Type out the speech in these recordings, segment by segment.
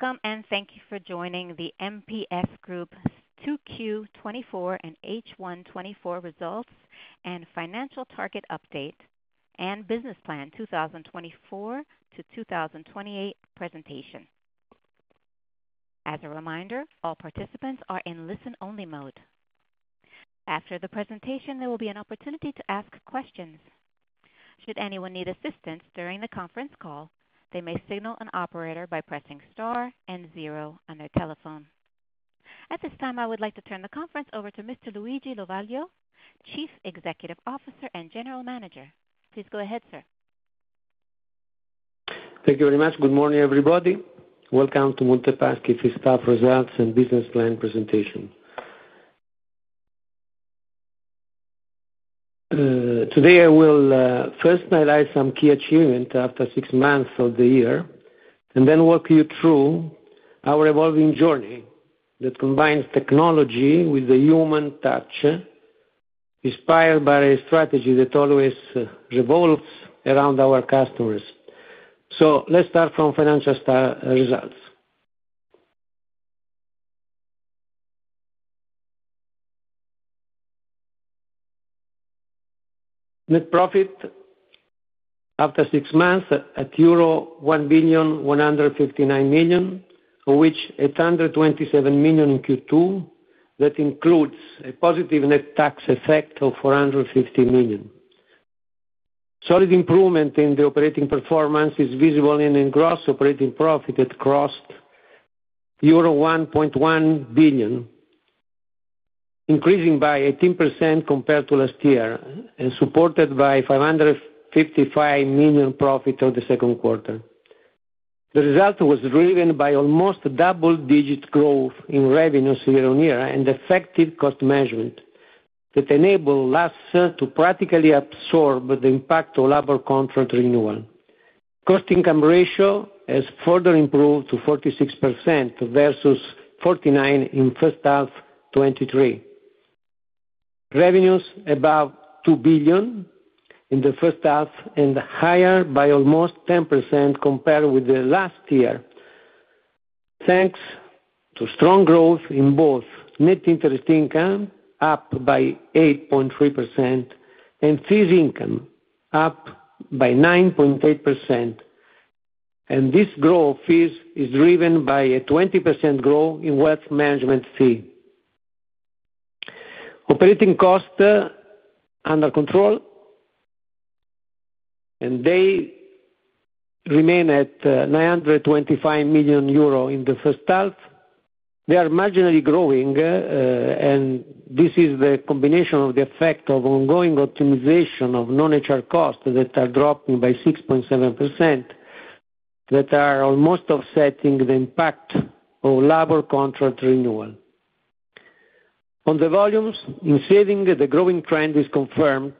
Welcome and thank you for joining the MPS Group 2Q24 and 1H24 results, and financial target update, and business plan 2024-2028 presentation. As a reminder, all participants are in listen-only mode. After the presentation, there will be an opportunity to ask questions. Should anyone need assistance during the conference call, they may signal an operator by pressing star and zero on their telephone. At this time, I would like to turn the conference over to Mr. Luigi Lovaglio, Chief Executive Officer and General Manager. Please go ahead, sir. Thank you very much. Good morning, everybody. Welcome to Monte Paschi's first half results and business plan presentation. Today, I will first highlight some key achievements after six months of the year, and then walk you through our evolving journey that combines technology with the human touch, inspired by a strategy that always revolves around our customers. So let's start from financial results. Net profit after six months at euro 1,159,000,000, of which 827,000,000 in Q2, that includes a positive net tax effect of 450,000,000. Solid improvement in the operating performance is visible in gross operating profit that crossed euro 1,100,000,000, increasing by 18% compared to last year, and supported by 555,000,000 profit of the second quarter. The result was driven by almost double-digit growth in revenues year-on-year and effective cost management that enabled us to practically absorb the impact of labor contract renewal. Cost-to-income ratio has further improved to 46% versus 49% in first half 2023. Revenues above 2,000,000,000 in the first half and higher by almost 10% compared with last year, thanks to strong growth in both net interest income, up by 8.3%, and fees income, up by 9.8%. This growth is driven by a 20% growth in wealth management fee. Operating cost under control, and they remain at 925,000,000 euro in the first half. They are marginally growing, and this is the combination of the effect of ongoing optimization of non-HR costs that are dropping by 6.7%, that are almost offsetting the impact of labor contract renewal. On the volumes, in saving, the growing trend is confirmed.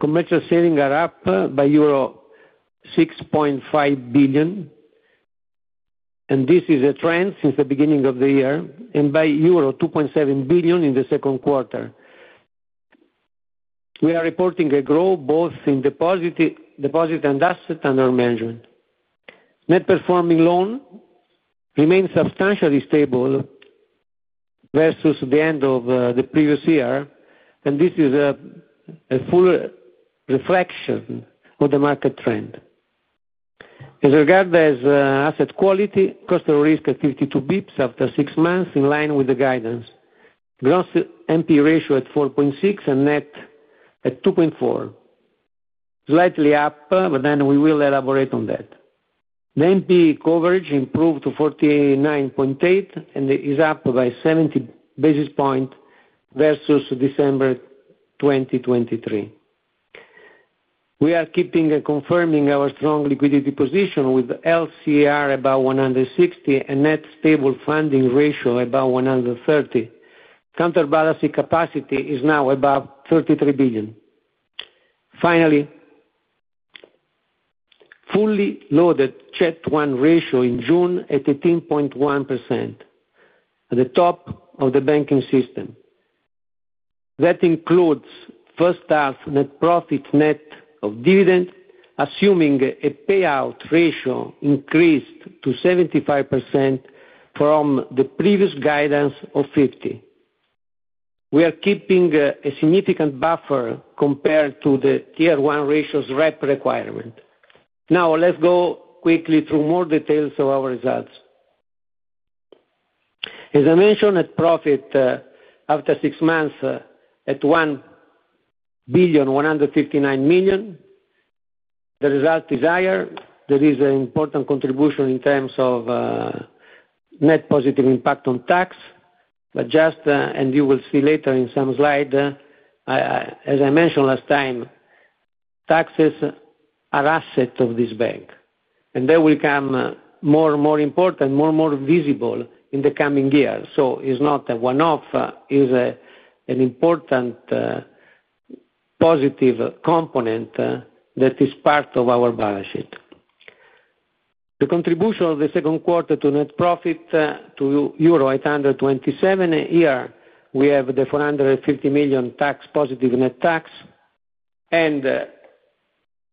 Commercial savings are up by euro 6.5 billion, and this is a trend since the beginning of the year, and by euro 2.7 billion in the second quarter. We are reporting a growth both in deposits and assets under management. Net non-performing loans remain substantially stable versus the end of the previous year, and this is a full reflection of the market trend. As regards asset quality, cost of risk at 52 basis points after six months, in line with the guidance. Gross NP ratio at 4.6 and net at 2.4, slightly up, but then we will elaborate on that. The NP coverage improved to 49.8 and is up by 70 basis points versus December 2023. We are keeping and confirming our strong liquidity position with LCR about 160 and net stable funding ratio about 130. Counterbalancing capacity is now above 33 billion. Finally, fully loaded CET1 ratio in June at 18.1%, at the top of the banking system. That includes first half net profit net of dividend, assuming a payout ratio increased to 75% from the previous guidance of 50%. We are keeping a significant buffer compared to the Tier 1 ratio's regulatory requirement. Now, let's go quickly through more details of our results. As I mentioned, net profit after six months at 1,159 million. The result is higher. There is an important contribution in terms of net positive impact on tax, but just, and you will see later in some slide, as I mentioned last time, tax assets are assets of this bank, and they will become more and more important, more and more visible in the coming years. So it's not a one-off. It's an important positive component that is part of our balance sheet. The contribution of the second quarter to net profit to euro 827 million, we have the 450 million tax positive net tax.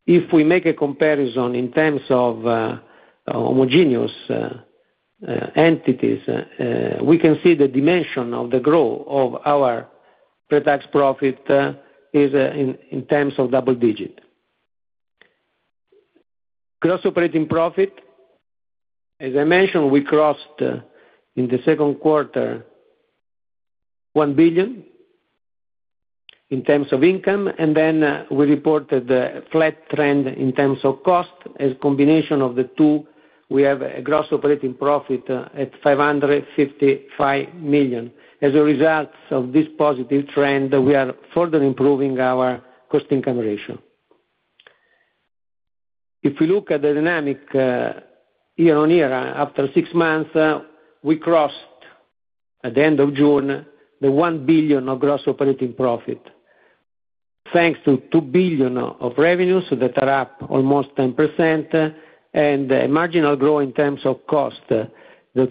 If we make a comparison in terms of homogeneous entities, we can see the dimension of the growth of our pre-tax profit is in terms of double-digit. Gross operating profit, as I mentioned, we crossed in the second quarter 1 billion in terms of income, and then we reported a flat trend in terms of cost. As a combination of the two, we have a gross operating profit at 555 million. As a result of this positive trend, we are further improving our cost-to-income ratio. If we look at the dynamic year-on-year after six months, we crossed at the end of June the 1 billion of gross operating profit, thanks to 2 billion of revenues that are up almost 10%, and a marginal growth in terms of cost that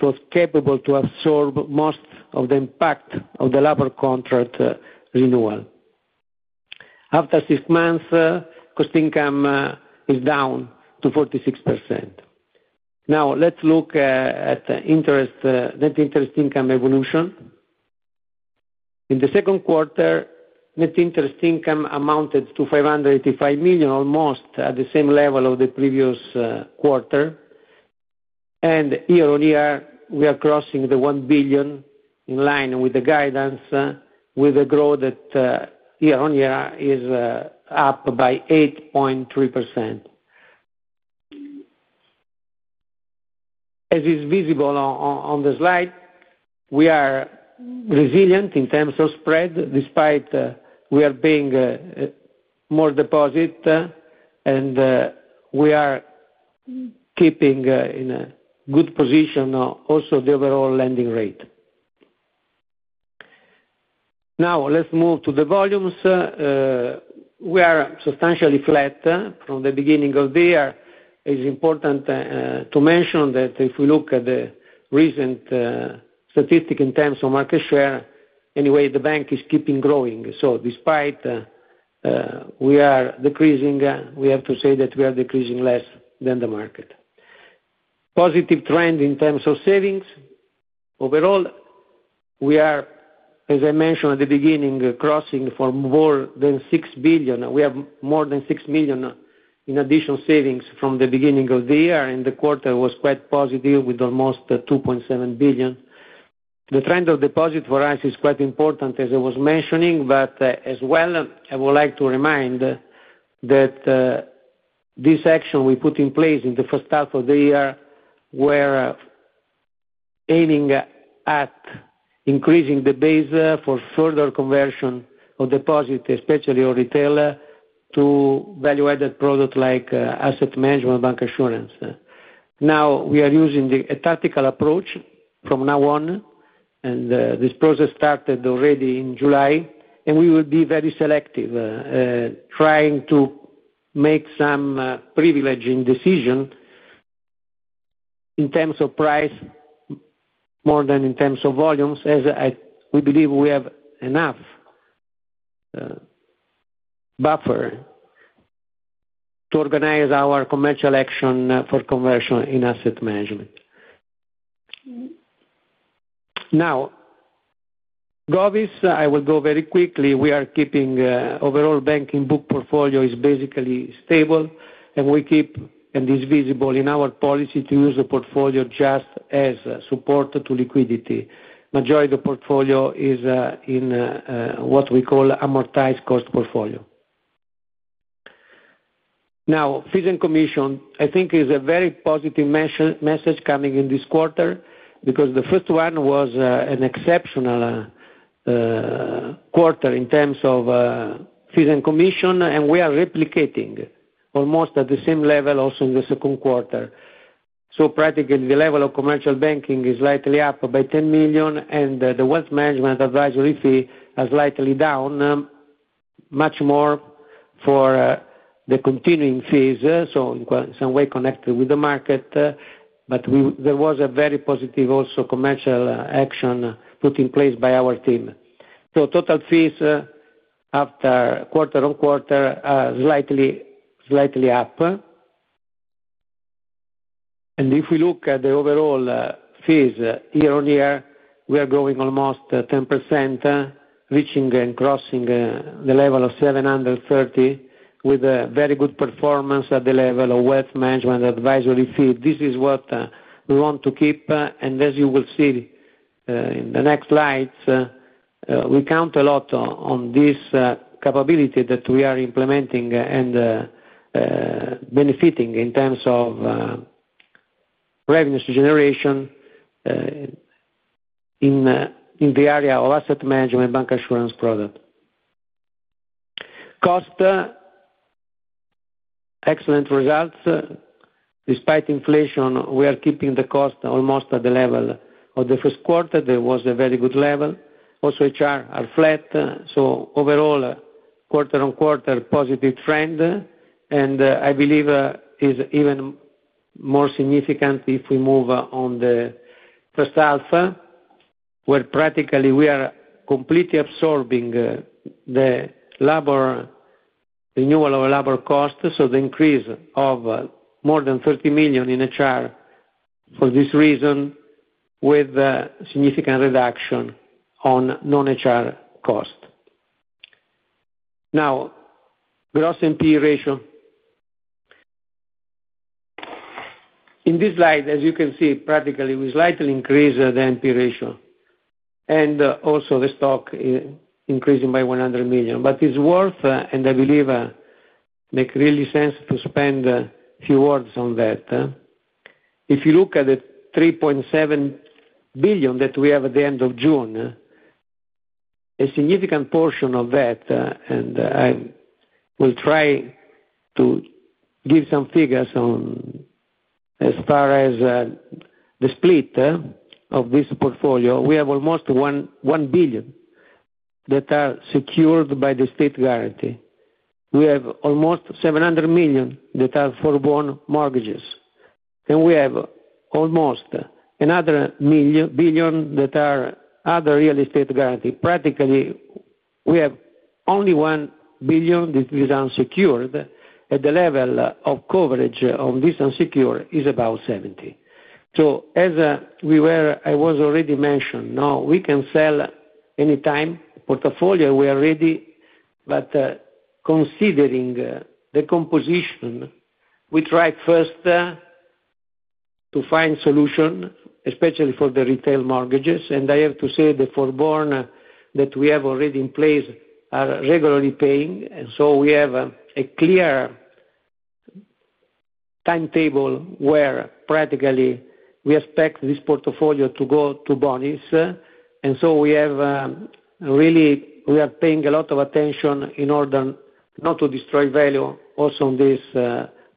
was capable to absorb most of the impact of the labor contract renewal. After six months, cost-to-income is down to 46%. Now, let's look at net interest income evolution. In the second quarter, net interest income amounted to 585 million, almost at the same level of the previous quarter. And year-on-year, we are crossing the 1 billion in line with the guidance, with a growth that year-on-year is up by 8.3%. As is visible on the slide, we are resilient in terms of spread despite we are paying more deposit, and we are keeping in a good position also the overall lending rate. Now, let's move to the volumes. We are substantially flat from the beginning of the year. It's important to mention that if we look at the recent statistic in terms of market share, anyway, the bank is keeping growing. So despite we are decreasing, we have to say that we are decreasing less than the market. Positive trend in terms of savings. Overall, we are, as I mentioned at the beginning, crossing for more than 6 million. We have more than 6 million in additional savings from the beginning of the year, and the quarter was quite positive with almost 2.7 billion. The trend of deposit for us is quite important, as I was mentioning, but as well, I would like to remind that this action we put in place in the first half of the year were aiming at increasing the base for further conversion of deposit, especially of retail, to value-added products like asset management, bancassurance. Now, we are using the tactical approach from now on, and this process started already in July, and we will be very selective, trying to make some privileging decision in terms of price more than in terms of volumes, as we believe we have enough buffer to organize our commercial action for conversion in asset management. Now, Govies, I will go very quickly. We are keeping overall banking book portfolio is basically stable, and we keep, and it's visible in our policy to use the portfolio just as support to liquidity. Majority of the portfolio is in what we call amortized cost portfolio. Now, fees and commission, I think, is a very positive message coming in this quarter because the first one was an exceptional quarter in terms of fees and commission, and we are replicating almost at the same level also in the second quarter. So practically, the level of commercial banking is slightly up by 10,000,000, and the wealth management advisory fee has slightly down much more for the continuing fees, so in some way connected with the market, but there was a very positive also commercial action put in place by our team. So total fees after quarter-on-quarter are slightly up. And if we look at the overall fees year-on-year, we are growing almost 10%, reaching and crossing the level of 730,000, with a very good performance at the level of wealth management advisory fee. This is what we want to keep, and as you will see in the next slides, we count a lot on this capability that we are implementing and benefiting in terms of revenues generation in the area of asset management, bancassurance product. Cost, excellent results. Despite inflation, we are keeping the cost almost at the level of the first quarter. There was a very good level. Also, HR are flat. So overall, quarter-on-quarter, positive trend, and I believe is even more significant if we move on the first half, where practically we are completely absorbing the labor renewal of labor cost, so the increase of more than 30 million in HR for this reason, with significant reduction on non-HR cost. Now, gross NP ratio. In this slide, as you can see, practically we slightly increased the NP ratio, and also the stock is increasing by 100 million. But it's worth, and I believe it makes really sense to spend a few words on that. If you look at the 3.7 billion that we have at the end of June, a significant portion of that, and I will try to give some figures on as far as the split of this portfolio, we have almost 1 billion that are secured by the state guarantee. We have almost 700 million that are forborn mortgages, and we have almost another 1 billion that are other real estate guarantee. Practically, we have only 1 billion that is unsecured, and the level of coverage on this unsecured is about 70%. So as we were, I was already mentioned, now we can sell anytime portfolio we are ready, but considering the composition, we try first to find solution, especially for the retail mortgages. I have to say the forbearance that we have already in place are regularly paying, and so we have a clear timetable where practically we expect this portfolio to go to bonis. And so we have really, we are paying a lot of attention in order not to destroy value also on this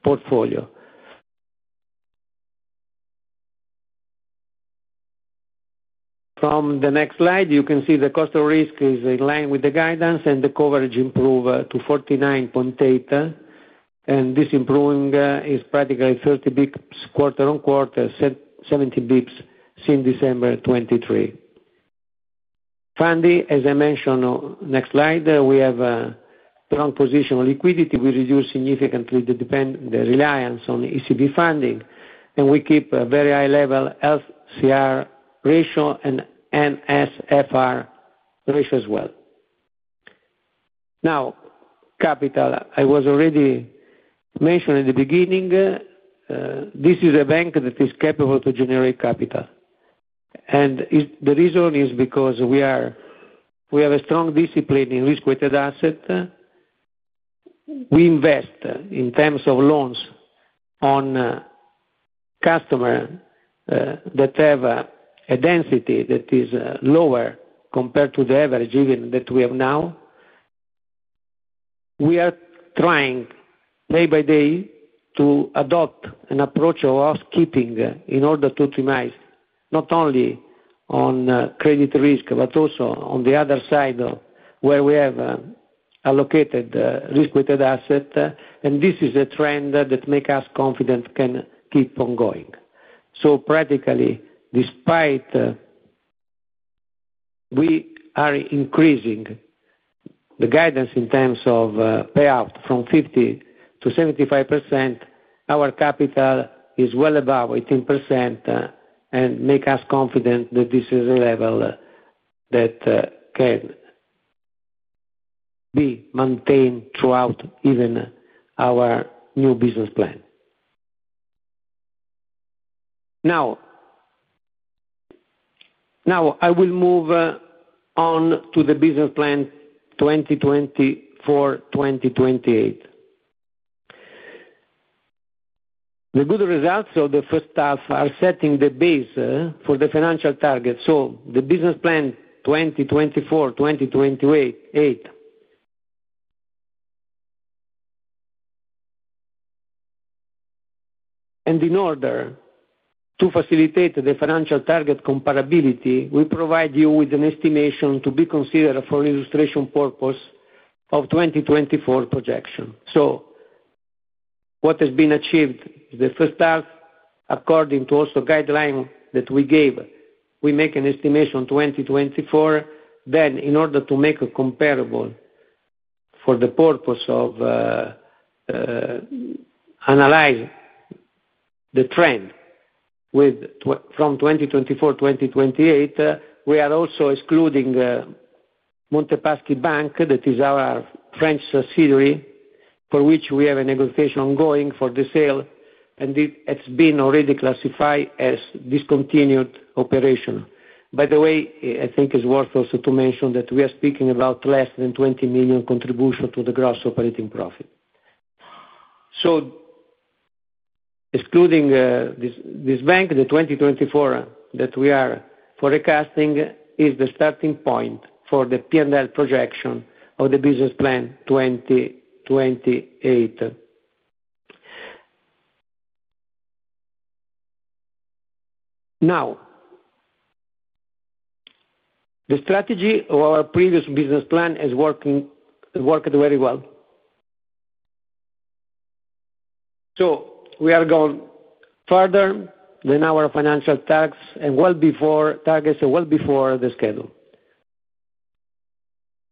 portfolio. From the next slide, you can see the cost of risk is in line with the guidance, and the coverage improved to 49.8%, and this improving is practically 30 basis points quarter-over-quarter, 70 basis points since December 2023. Funding, as I mentioned, next slide, we have a strong position on liquidity. We reduce significantly the reliance on ECB funding, and we keep a very high level LCR ratio and NSFR ratio as well. Now, capital, I was already mentioned at the beginning, this is a bank that is capable to generate capital, and the reason is because we have a strong discipline in risk-weighted asset. We invest in terms of loans on customers that have a density that is lower compared to the average even that we have now. We are trying day by day to adopt an approach of housekeeping in order to optimize not only on credit risk, but also on the other side where we have allocated risk-weighted asset, and this is a trend that makes us confident can keep on going. So practically, despite we are increasing the guidance in terms of payout from 50%-75%, our capital is well above 18% and makes us confident that this is a level that can be maintained throughout even our new business plan. Now, I will move on to the business plan 2024-2028. The good results of the first half are setting the base for the financial target. So the business plan 2024-2028. And in order to facilitate the financial target comparability, we provide you with an estimation to be considered for illustration purpose of 2024 projection. So what has been achieved is the first half according to also guideline that we gave, we make an estimation 2024, then in order to make comparable for the purpose of analyze the trend from 2024-2028, we are also excluding Monte Paschi Banque that is our French subsidiary for which we have a negotiation ongoing for the sale, and it's been already classified as discontinued operation. By the way, I think it's worth also to mention that we are speaking about less than 20 million contribution to the gross operating profit. So excluding this bank, the 2024 that we are forecasting is the starting point for the P&L projection of the business plan 2028. Now, the strategy of our previous business plan has worked very well. So we are going further than our financial targets and well before targets and well before the schedule.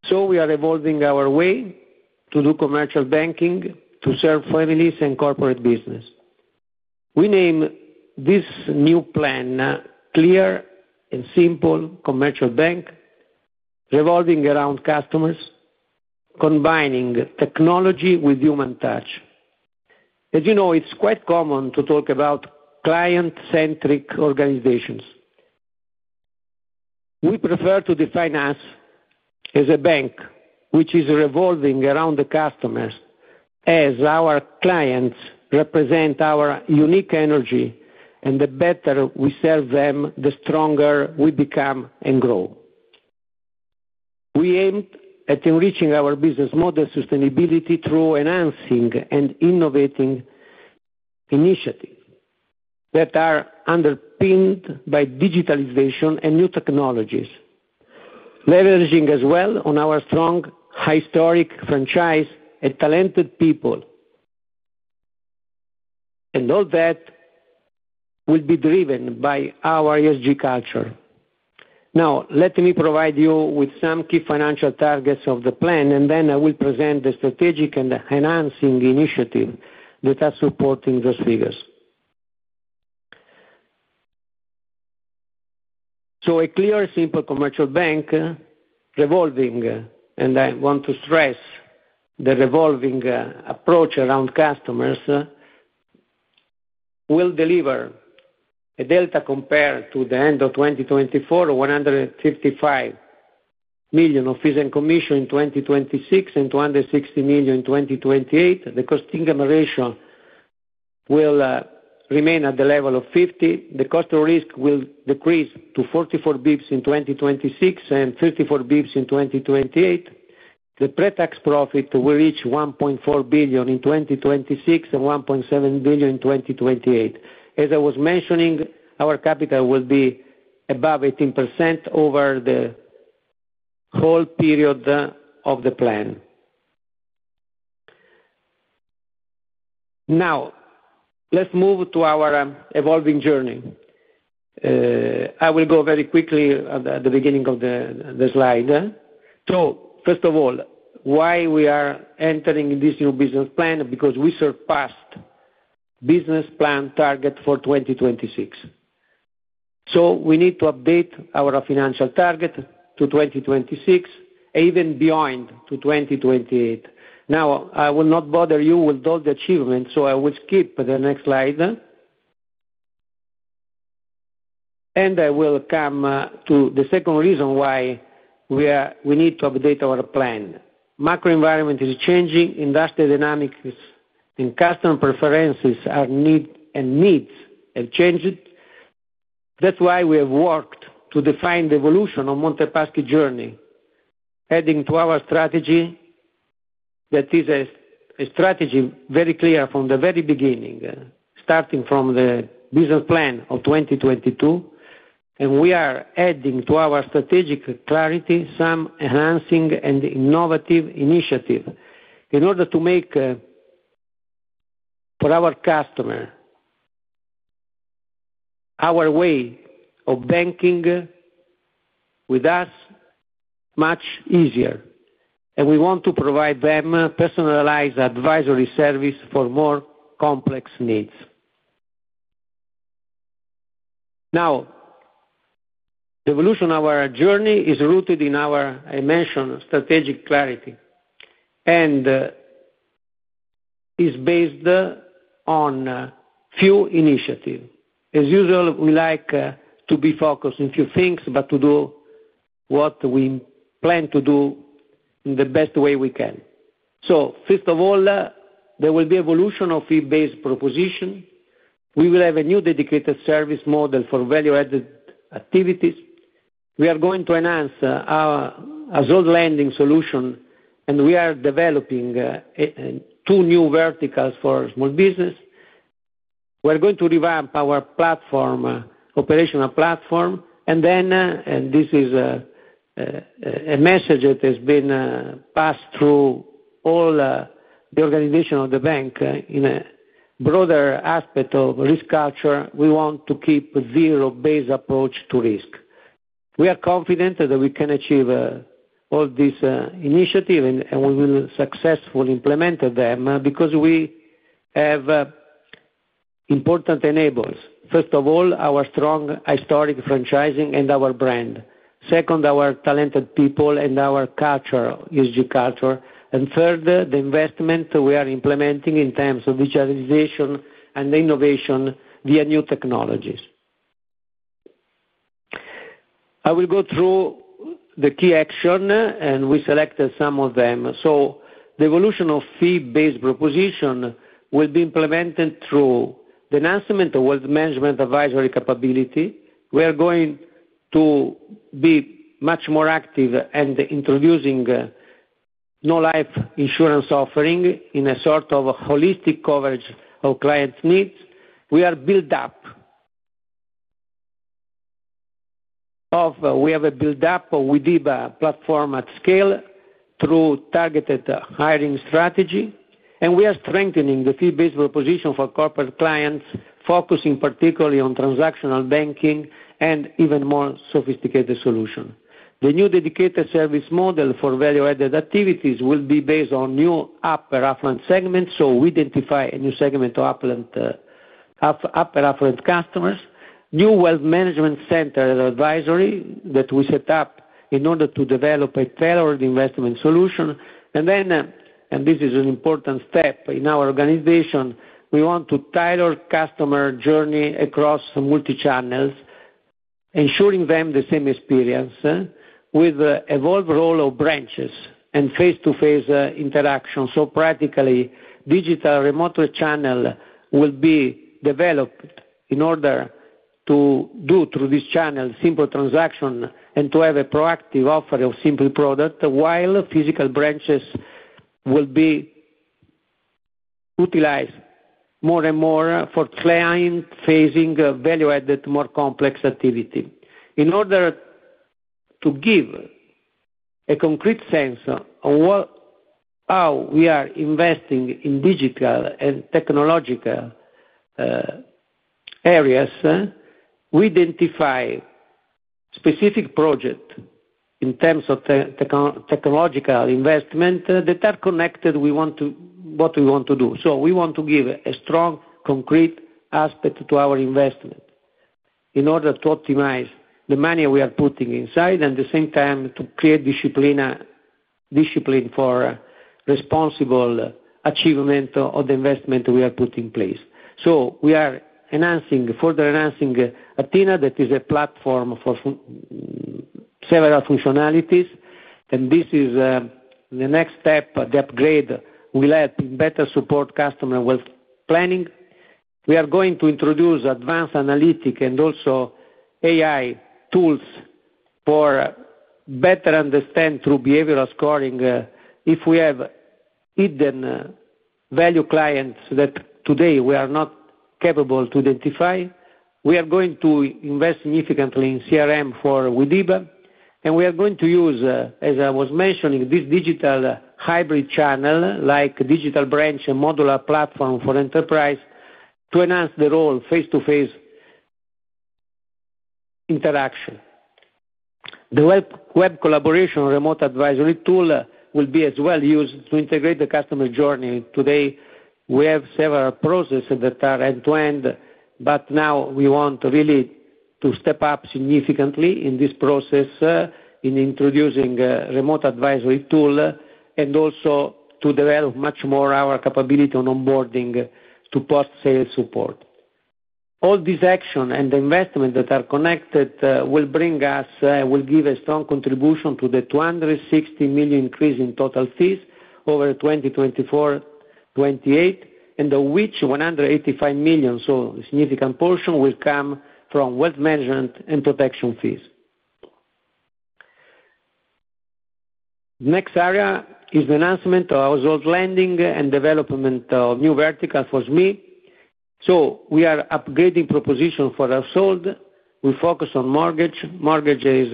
So we are evolving our way to do commercial banking to serve families and corporate business. We name this new plan Clear and Simple Commercial Bank, revolving around customers, combining technology with human touch. As you know, it's quite common to talk about client-centric organizations. We prefer to define us as a bank which is revolving around the customers as our clients represent our unique energy, and the better we serve them, the stronger we become and grow. We aimed at enriching our business model sustainability through enhancing and innovating initiatives that are underpinned by digitalization and new technologies, leveraging as well on our strong historic franchise and talented people. And all that will be driven by our ESG culture. Now, let me provide you with some key financial targets of the plan, and then I will present the strategic and enhancing initiative that are supporting those figures. So a clear and simple commercial bank revolving, and I want to stress the revolving approach around customers will deliver a delta compared to the end of 2024 of 155 million of fees and commission in 2026 and 260 million in 2028. The cost-to-income ratio will remain at the level of 50. The cost of risk will decrease to 44 basis points in 2026 and 54 basis points in 2028. The pre-tax profit will reach 1.4 billion in 2026 and 1.7 billion in 2028. As I was mentioning, our capital will be above 18% over the whole period of the plan. Now, let's move to our evolving journey. I will go very quickly at the beginning of the slide. First of all, why we are entering this new business plan? Because we surpassed business plan target for 2026. We need to update our financial target to 2026, even beyond to 2028. Now, I will not bother you with all the achievements, so I will skip the next slide. I will come to the second reason why we need to update our plan. Macro environment is changing. Industrial dynamics and customer preferences are new and needs have changed. That's why we have worked to define the evolution of Monte Paschi journey, adding to our strategy that is a strategy very clear from the very beginning, starting from the business plan of 2022. And we are adding to our strategic clarity some enhancing and innovative initiative in order to make for our customer our way of banking with us much easier. And we want to provide them personalized advisory service for more complex needs. Now, the evolution of our journey is rooted in our, I mentioned, strategic clarity and is based on few initiatives. As usual, we like to be focused on few things, but to do what we plan to do in the best way we can. So first of all, there will be evolution of fee-based proposition. We will have a new dedicated service model for value-added activities. We are going to enhance our retail lending solution, and we are developing two new verticals for small business. We're going to revamp our platform, operational platform, and then, and this is a message that has been passed through all the organization of the bank in a broader aspect of risk culture. We want to keep a zero-based approach to risk. We are confident that we can achieve all these initiatives, and we will successfully implement them because we have important enablers. First of all, our strong historic franchising and our brand. Second, our talented people and our culture, ESG culture. And third, the investment we are implementing in terms of digitalization and innovation via new technologies. I will go through the key action, and we selected some of them. So the evolution of fee-based proposition will be implemented through the enhancement of wealth management advisory capability. We are going to be much more active and introducing non-life insurance offering in a sort of holistic coverage of client needs. We have built up a Widiba platform at scale through targeted hiring strategy, and we are strengthening the fee-based proposition for corporate clients, focusing particularly on transactional banking and even more sophisticated solution. The new dedicated service model for value-added activities will be based on new upper affluent segments, so we identify a new segment of upper affluent customers, new wealth management center advisory that we set up in order to develop a tailored investment solution. And then, and this is an important step in our organization, we want to tailor customer journey across multi-channels, ensuring them the same experience with evolved role of branches and face-to-face interaction. So practically, digital remote channel will be developed in order to do through this channel simple transaction and to have a proactive offer of simple product while physical branches will be utilized more and more for client-facing value-added more complex activity. In order to give a concrete sense on how we are investing in digital and technological areas, we identify specific projects in terms of technological investment that are connected with what we want to do. So we want to give a strong concrete aspect to our investment in order to optimize the money we are putting inside and at the same time to create discipline for responsible achievement of the investment we are putting in place. So we are enhancing, further enhancing Athena that is a platform for several functionalities, and this is the next step, the upgrade we'll have to better support customer wealth planning. We are going to introduce advanced analytics and also AI tools for better understand through behavioral scoring if we have hidden value clients that today we are not capable to identify. We are going to invest significantly in CRM for Widiba, and we are going to use, as I was mentioning, this digital hybrid channel like digital branch and modular platform for enterprise to enhance the role face-to-face interaction. The web collaboration remote advisory tool will be as well used to integrate the customer journey. Today, we have several processes that are end-to-end, but now we want really to step up significantly in this process in introducing remote advisory tool and also to develop much more our capability on onboarding to post-sale support. All these actions and investments that are connected will bring us, will give a strong contribution to the 260 million increase in total fees over 2024-2028, and of which 185 million, so a significant portion, will come from wealth management and protection fees. The next area is the enhancement of our retail lending and development of new verticals for SME. So we are upgrading proposition for our SME. We focus on mortgage. Mortgage is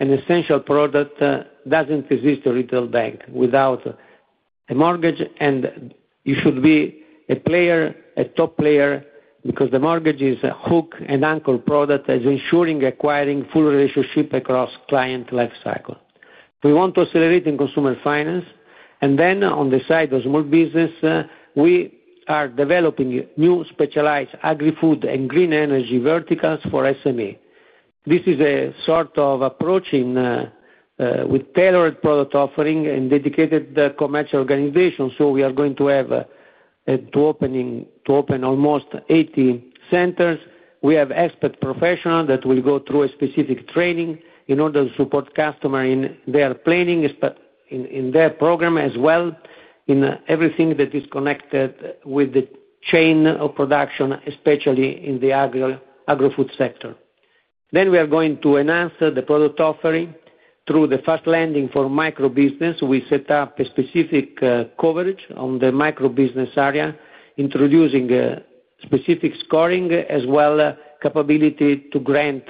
an essential product that doesn't exist in a retail bank without a mortgage, and you should be a player, a top player, because the mortgage is a hook and anchor product that is ensuring acquiring full relationship across client lifecycle. We want to accelerate in consumer finance. And then on the side of small business, we are developing new specialized agri-food and green energy verticals for SME. This is a sort of approach with tailored product offering and dedicated commercial organization. So we are going to have to open almost 80 centers. We have expert professionals that will go through a specific training in order to support customers in their planning, in their program as well, in everything that is connected with the chain of production, especially in the agri-food sector. Then we are going to enhance the product offering through the fast lending for micro-business. We set up a specific coverage on the micro-business area, introducing specific scoring as well capability to grant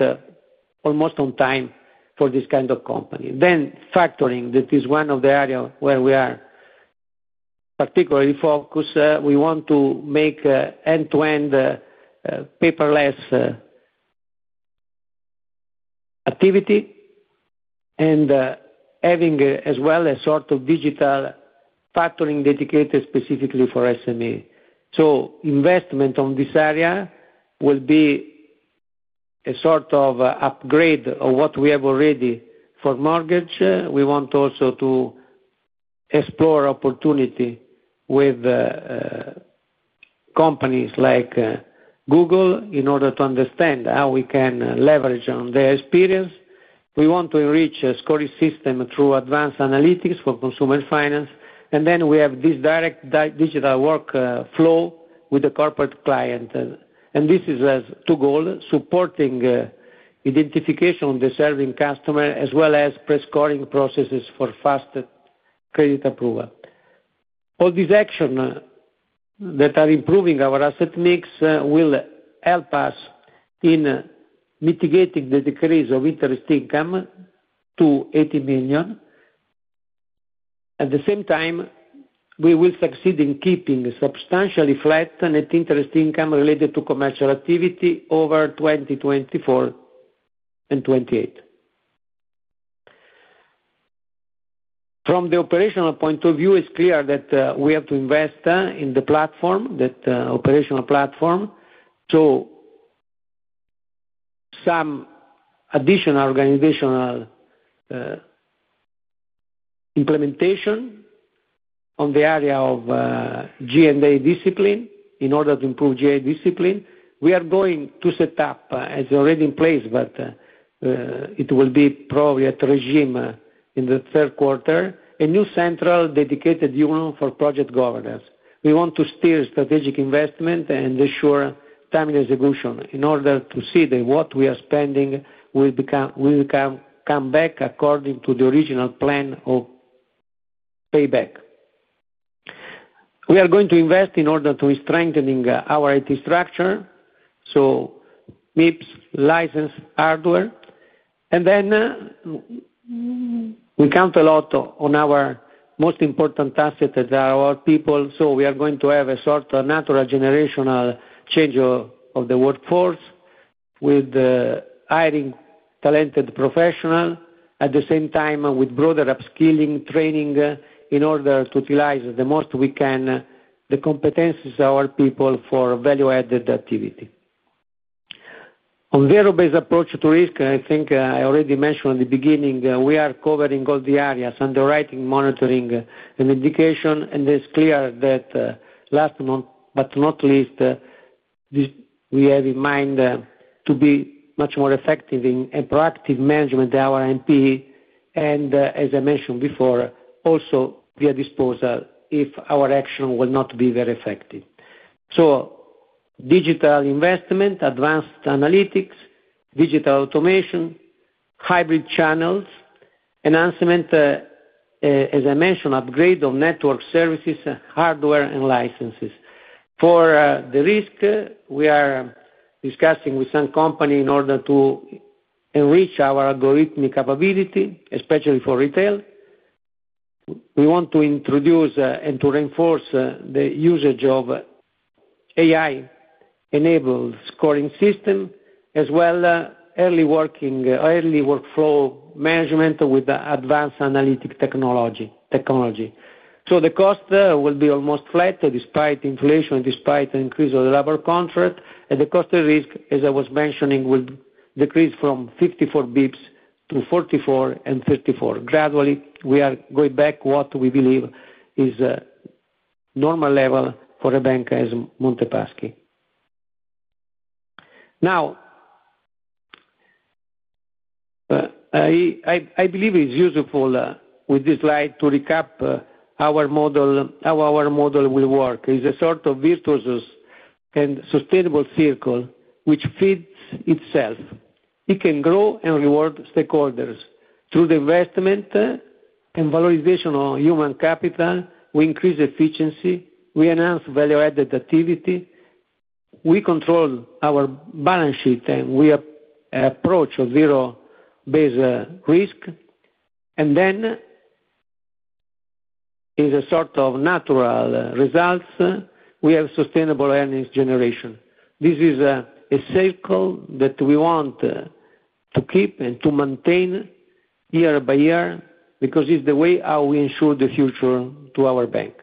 almost on time for this kind of company. Then factoring, that is one of the areas where we are particularly focused. We want to make end-to-end paperless activity and having as well a sort of digital factoring dedicated specifically for SME. So investment on this area will be a sort of upgrade of what we have already for mortgage. We want also to explore opportunity with companies like Google in order to understand how we can leverage on their experience. We want to enrich a scoring system through advanced analytics for consumer finance. And then we have this direct digital workflow with the corporate client. And this is to goal supporting identification of the serving customer as well as prescoring processes for fast credit approval. All these actions that are improving our asset mix will help us in mitigating the decrease of interest income to 80 million. At the same time, we will succeed in keeping substantially flat net interest income related to commercial activity over 2024 and 2028. From the operational point of view, it's clear that we have to invest in the platform, that operational platform. So some additional organizational implementation on the area of G&A discipline in order to improve G&A discipline. We are going to set up, as already in place, but it will be probably at regime in the third quarter, a new central dedicated unit for project governance. We want to steer strategic investment and ensure timely execution in order to see that what we are spending will come back according to the original plan of payback. We are going to invest in order to strengthen our IT structure, so MIPS license hardware. And then we count a lot on our most important asset that are our people. So we are going to have a sort of natural generational change of the workforce with hiring talented professionals at the same time with broader upskilling training in order to utilize as the most we can the competencies of our people for value-added activity. On zero-based approach to risk, I think I already mentioned at the beginning. We are covering all the areas: underwriting, monitoring, and education. It's clear that last but not least, we have in mind to be much more effective in a proactive management of our NP. As I mentioned before, also we are disposed if our action will not be very effective. So digital investment, advanced analytics, digital automation, hybrid channels, enhancement, as I mentioned, upgrade of network services, hardware, and licenses. For the risk, we are discussing with some companies in order to enrich our algorithmic capability, especially for retail. We want to introduce and to reinforce the usage of AI-enabled scoring system as well as early warning or early workflow management with advanced analytic technology. So the cost will be almost flat despite inflation, despite increase of the labor contract. The cost of risk, as I was mentioning, will decrease from 54 basis points to 44 and 34. Gradually, we are going back to what we believe is a normal level for a bank as Monte Paschi. Now, I believe it's useful with this slide to recap how our model will work. It's a sort of virtuous and sustainable circle which feeds itself. It can grow and reward stakeholders through the investment and valorization of human capital. We increase efficiency. We enhance value-added activity. We control our balance sheet and we approach a zero-based risk. Then it's a sort of natural results. We have sustainable earnings generation. This is a circle that we want to keep and to maintain year-by-year because it's the way how we ensure the future to our bank.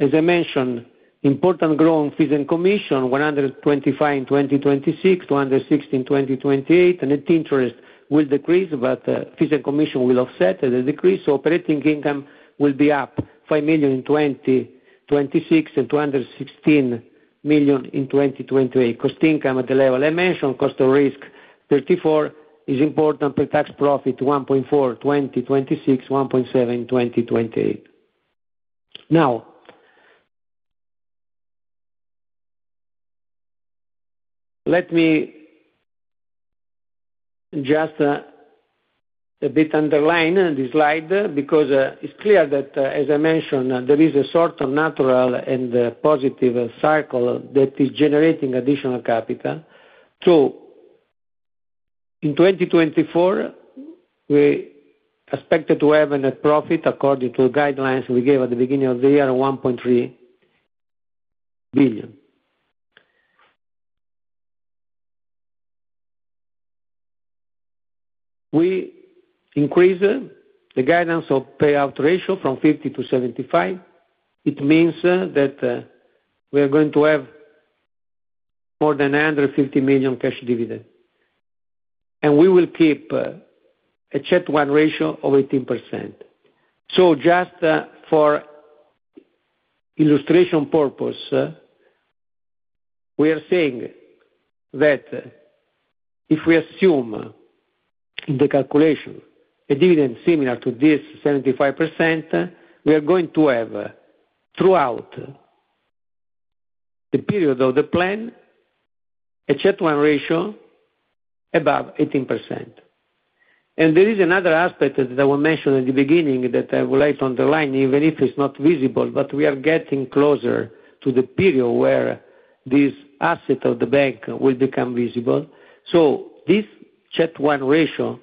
As I mentioned, important growing fees and commission, 125 in 2026, 216 in 2028. And the interest will decrease, but fees and commission will offset the decrease. So operating income will be up 5 million in 2026 and 216 million in 2028. Cost-to-income at the level I mentioned, cost of risk 34 bps important for net profit, 1.4 billion in 2026, 1.7 billion in 2028. Now, let me just a bit underline this slide because it's clear that, as I mentioned, there is a sort of natural and positive cycle that is generating additional capital. So in 2024, we expected to have a net profit according to the guidelines we gave at the beginning of the year, 1.3 billion. We increased the guidance of payout ratio from 50% to 75%. It means that we are going to have more than 150 million cash dividend. And we will keep a CET1 ratio of 18%. So just for illustration purpose, we are saying that if we assume in the calculation a dividend similar to this 75%, we are going to have throughout the period of the plan a CET1 ratio above 18%. There is another aspect that I will mention at the beginning that I would like to underline, even if it's not visible, but we are getting closer to the period where this asset of the bank will become visible. This CET1 ratio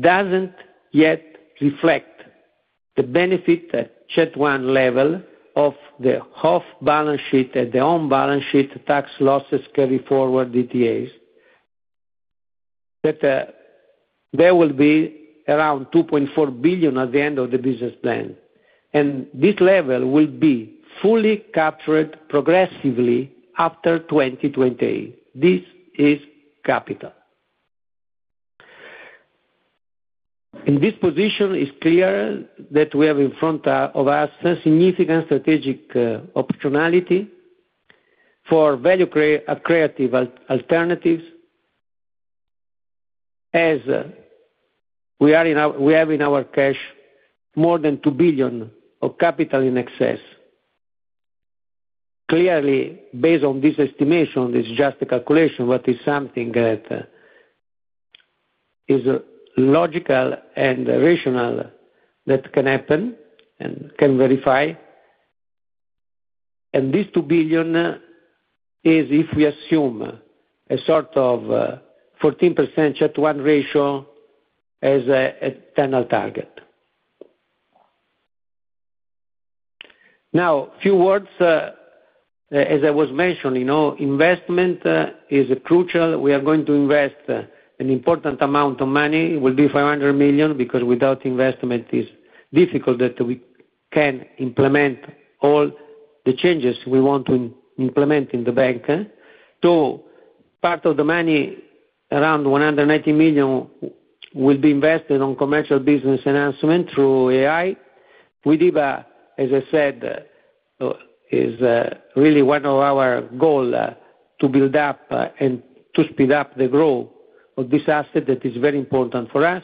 doesn't yet reflect the benefit CET1 level of the off-balance sheet and the on-balance sheet tax loss carryforward DTAs that there will be around 2.4 billion at the end of the business plan. This level will be fully captured progressively after 2028. This is capital. In this position, it's clear that we have in front of us a significant strategic opportunity for value creative alternatives as we have in our cash more than 2 billion of capital in excess. Clearly, based on this estimation, this is just a calculation, but it's something that is logical and rational that can happen and can verify. And this 2 billion is if we assume a sort of 14% CET1 ratio as a final target. Now, a few words, as I was mentioning, investment is crucial. We are going to invest an important amount of money. It will be 500 million because without investment, it's difficult that we can implement all the changes we want to implement in the bank. So part of the money, around 180 million, will be invested on commercial business enhancement through AI. WIDIBA, as I said, is really one of our goals to build up and to speed up the growth of this asset that is very important for us.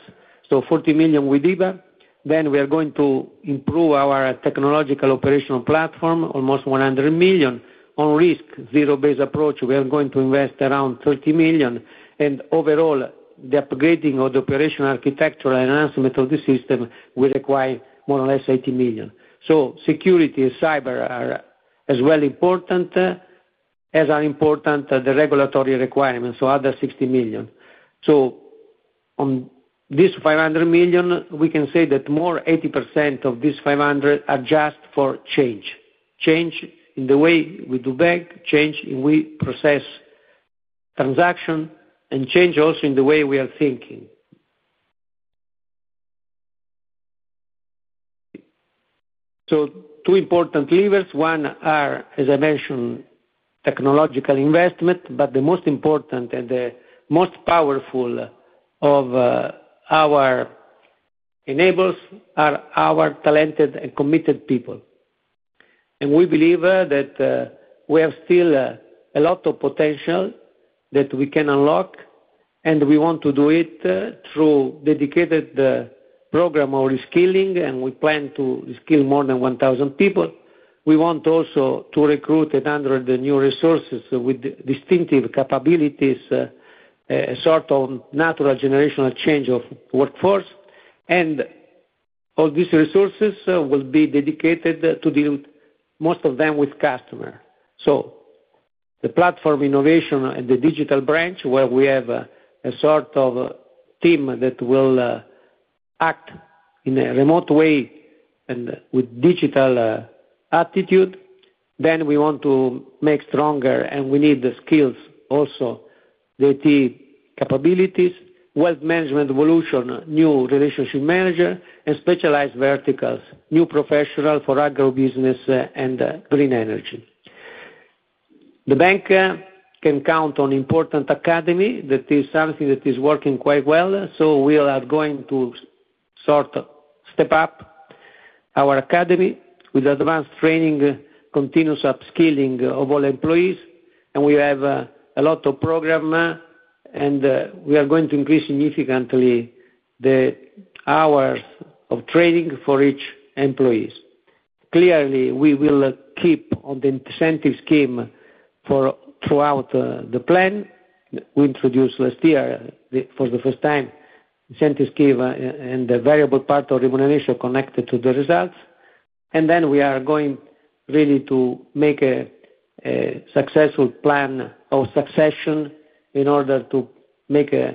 So 40 million WIDIBA. Then we are going to improve our technological operational platform, almost 100 million. On risk, zero-based approach, we are going to invest around 30 million. And overall, the upgrading of the operational architecture and enhancement of the system will require more or less 80 million. So security and cyber are as well important as are important the regulatory requirements, so other 60 million. So on this 500 million, we can say that more 80% of this 500 are just for change. Change in the way we do bank, change in we process transaction, and change also in the way we are thinking. So two important levers. One area, as I mentioned, technological investment, but the most important and the most powerful of our enablers are our talented and committed people. We believe that we have still a lot of potential that we can unlock, and we want to do it through dedicated program for reskilling, and we plan to reskill more than 1,000 people. We want also to recruit and onboard the new resources with distinctive capabilities, a sort of natural generational change of workforce. All these resources will be dedicated to deal with most of them with customers. So the platform innovation and the digital branch where we have a sort of team that will act in a remote way and with digital attitude. Then we want to make stronger, and we need the skills also, the IT capabilities, wealth management evolution, new relationship manager, and specialized verticals, new professional for agribusiness and green energy. The bank can count on important academy that is something that is working quite well. So we are going to sort of step up our academy with advanced training, continuous upskilling of all employees. We have a lot of program, and we are going to increase significantly the hours of training for each employee. Clearly, we will keep on the incentive scheme throughout the plan. We introduced last year for the first time incentive scheme and the variable part of remuneration connected to the results. Then we are going really to make a successful plan of succession in order to make and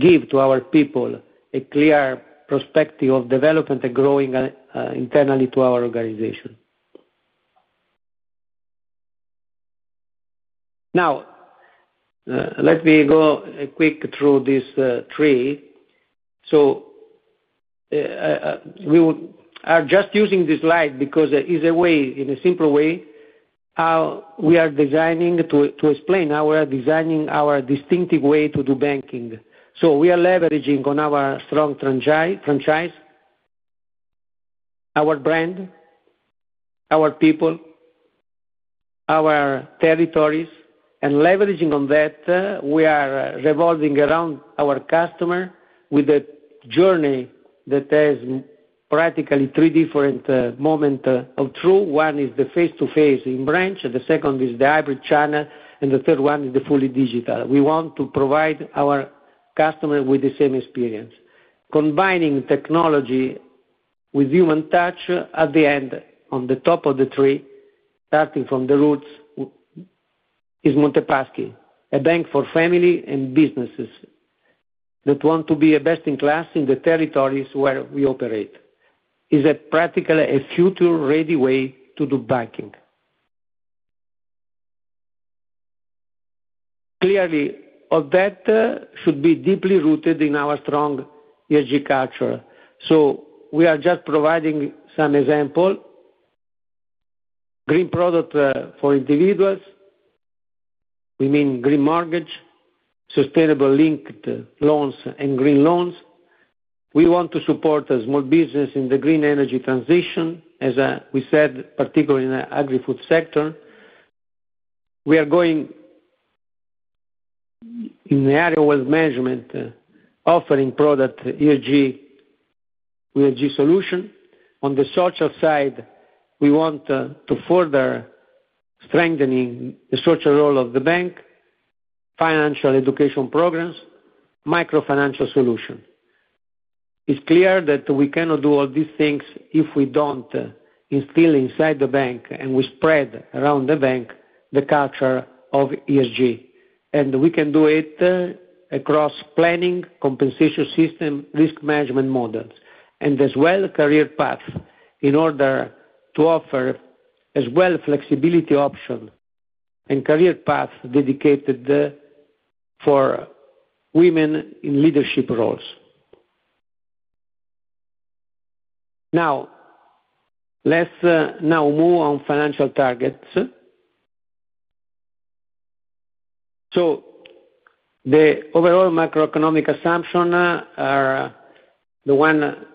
give to our people a clear perspective of development and growing internally to our organization. Now, let me go quick through this tree. So we are just using this slide because it's a way, in a simple way, how we are designing to explain how we are designing our distinctive way to do banking. So we are leveraging on our strong franchise, our brand, our people, our territories, and leveraging on that, we are revolving around our customer with a journey that has practically three different moments of truth. One is the face-to-face in branch, the second is the hybrid channel, and the third one is the fully digital. We want to provide our customer with the same experience. Combining technology with human touch at the end, on the top of the tree, starting from the roots, is Monte Paschi, a bank for family and businesses that want to be a best in class in the territories where we operate. It's practically a future-ready way to do banking. Clearly, that should be deeply rooted in our strong ESG culture. So we are just providing some examples. Green product for individuals. We mean Green Mortgage, sustainable linked loans, and green loans. We want to support small businesses in the green energy transition, as we said, particularly in the agri-food sector. We are going in the area of wealth management, offering product ESG solution. On the social side, we want to further strengthen the social role of the bank, financial education programs, microfinancial solutions. It's clear that we cannot do all these things if we don't instill inside the bank and we spread around the bank the culture of ESG. We can do it across planning, compensation system, risk management models, and as well career paths in order to offer as well flexibility options and career paths dedicated for women in leadership roles. Now, let's now move on financial targets. So the overall macroeconomic assumptions are the one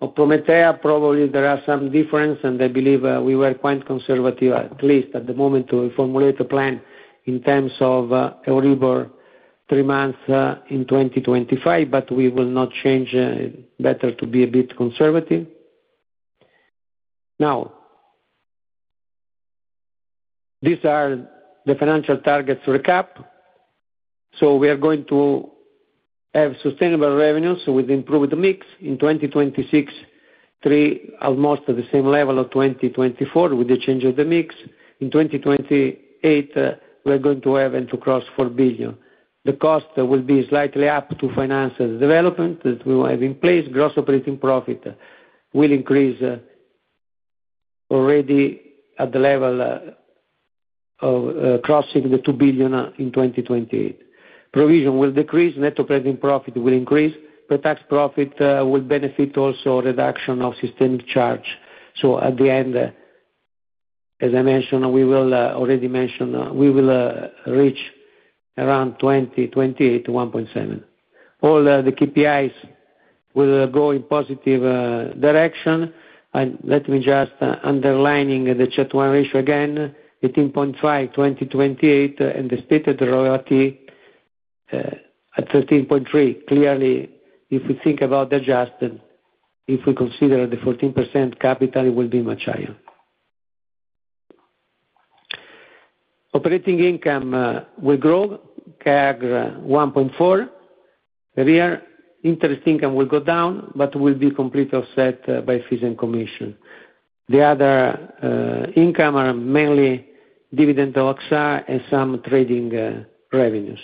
of Prometeia. Probably there are some differences, and I believe we were quite conservative, at least at the moment, to formulate a plan in terms of a rebirth 3 months in 2025, but we will not change better to be a bit conservative. Now, these are the financial targets recap. So we are going to have sustainable revenues with improved mix in 2026, almost at the same level of 2024 with the change of the mix. In 2028, we're going to have and to cross 4 billion. The cost will be slightly up to finance and development that we will have in place. Gross operating profit will increase already at the level of crossing the 2 billion in 2028. Provisions will decrease. Net operating profit will increase. Pre-tax profit will benefit also reduction of systemic charge. So at the end, as I mentioned, we will already mention we will reach around 2028 to 1.7 billion. All the KPIs will go in positive direction. And let me just underline the CET1 ratio again, 18.5% in 2028, and the statutory ratio at 13.3%. Clearly, if we think about the adjusted, if we consider the 14% capital, it will be much higher. Operating income will grow, CAGR 1.4%. Core interest income will go down, but will be completely offset by fees and commissions. The other income are mainly dividend of AXA and some trading revenues.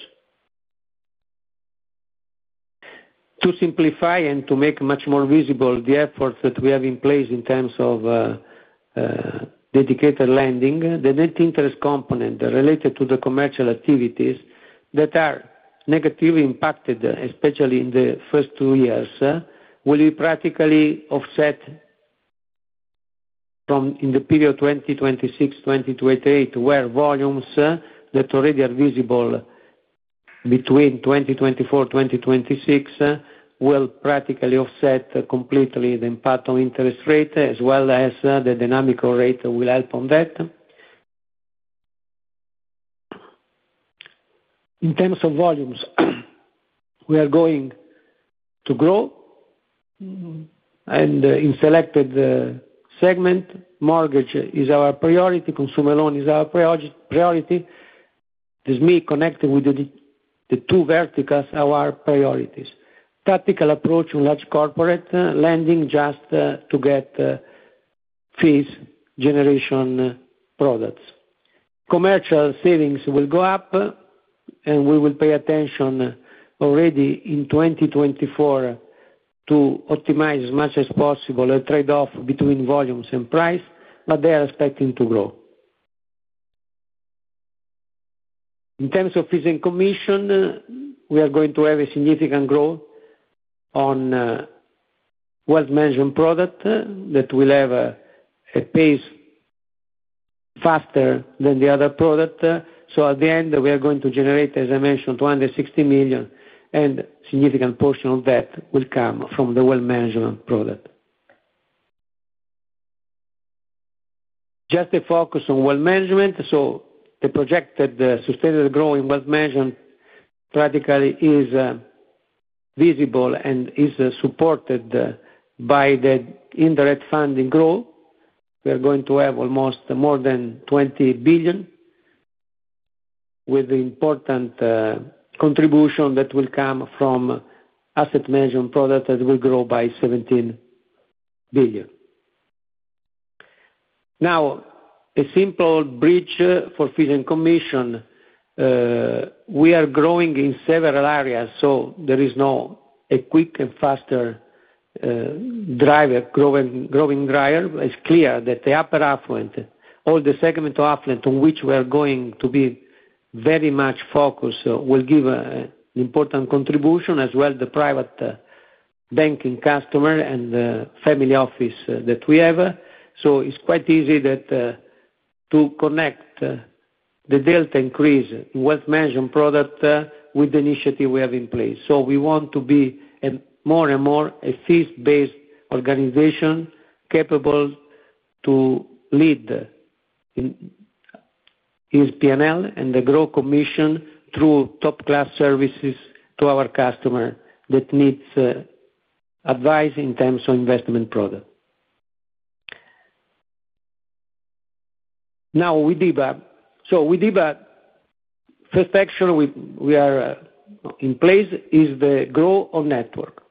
To simplify and to make much more visible the efforts that we have in place in terms of dedicated lending, the net interest component related to the commercial activities that are negatively impacted, especially in the first two years, will be practically offset in the period 2026-2028, where volumes that already are visible between 2024-2026 will practically offset completely the impact on interest rate, as well as the dynamical rate will help on that. In terms of volumes, we are going to grow. In selected segment, mortgage is our priority. Consumer loan is our priority. This means connecting with the two verticals, our priorities. Tactical approach on large corporate lending just to get fees generation products. Commercial savings will go up, and we will pay attention already in 2024 to optimize as much as possible a trade-off between volumes and price, but they are expecting to grow. In terms of fees and commission, we are going to have a significant growth on wealth management product that will have a pace faster than the other product. So at the end, we are going to generate, as I mentioned, 260 million, and a significant portion of that will come from the wealth management product. Just a focus on wealth management. So the projected sustained growth in wealth management practically is visible and is supported by the indirect funding growth. We are going to have almost more than 20 billion with the important contribution that will come from asset management product that will grow by 17 billion. Now, a simple bridge for fees and commission. We are growing in several areas, so there is no quick and faster driver, growing driver. It's clear that the upper affluent, all the segment of affluent on which we are going to be very much focused, will give an important contribution, as well as the private banking customer and family office that we have. So it's quite easy to connect the delta increase in wealth management product with the initiative we have in place. So we want to be more and more a fees-based organization capable to lead in ESPNL and the growth commission through top-class services to our customer that needs advice in terms of investment product. Now, WIDIBA. So WIDIBA, first action we are in place is the growth of network.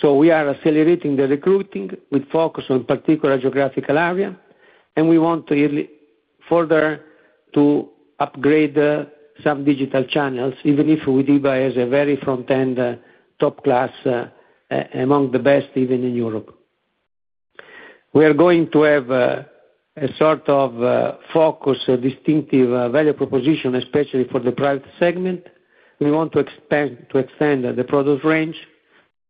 So we are accelerating the recruiting with focus on particular geographical area, and we want to further upgrade some digital channels, even if WIDIBA has a very front-end top-class among the best even in Europe. We are going to have a sort of focus, distinctive value proposition, especially for the private segment. We want to extend the product range.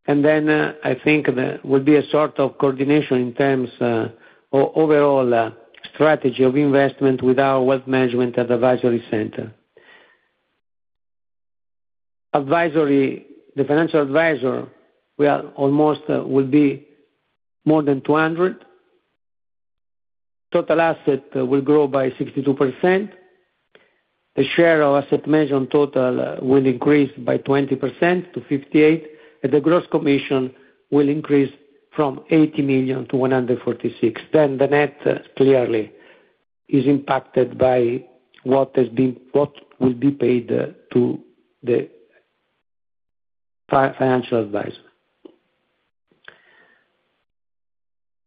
And then I think there will be a sort of coordination in terms of overall strategy of investment with our wealth management advisory center. Advisory, the financial advisor, we almost will be more than 200. Total asset will grow by 62%. The share of asset management total will increase by 20% to 58%, and the gross commission will increase from 80 million to 146 million. Then the net clearly is impacted by what will be paid to the financial advisor.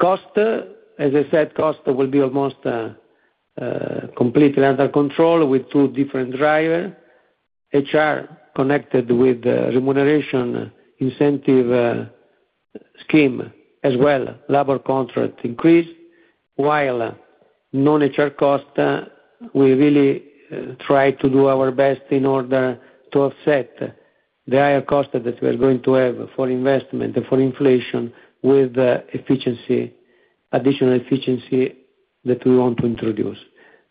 Cost, as I said, cost will be almost completely under control with two different drivers. HR connected with remuneration incentive scheme as well, labor contract increase, while non-HR cost, we really try to do our best in order to offset the higher cost that we are going to have for investment and for inflation with efficiency, additional efficiency that we want to introduce.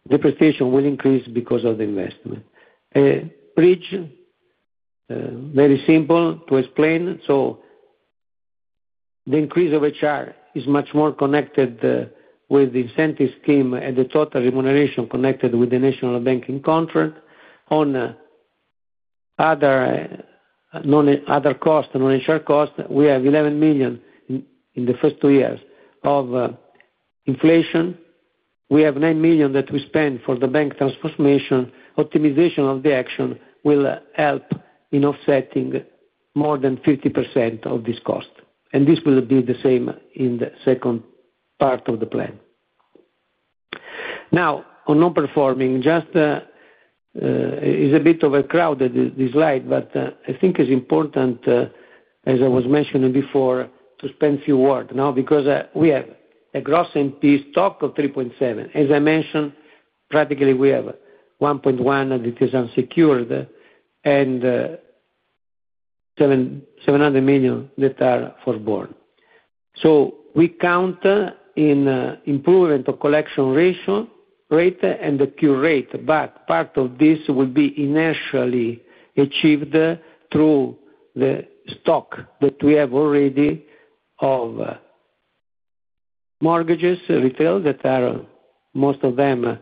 The prestige will increase because of the investment. Bridge, very simple to explain. So the increase of HR is much more connected with the incentive scheme and the total remuneration connected with the national banking contract. On other costs, non-HR costs, we have 11 million in the first two years of inflation. We have 9 million that we spend for the bank transformation. Optimization of the action will help in offsetting more than 50% of this cost. And this will be the same in the second part of the plan. Now, on non-performing, just it's a bit overcrowded this slide, but I think it's important, as I was mentioning before, to spend a few words now because we have a gross NP stock of 3.7 billion. As I mentioned, practically we have 1.1 billion that is unsecured and 700 million that are forborn. So we count in improvement of collection ratio rate and the cure rate, but part of this will be initially achieved through the stock that we have already of mortgages, retail that are most of them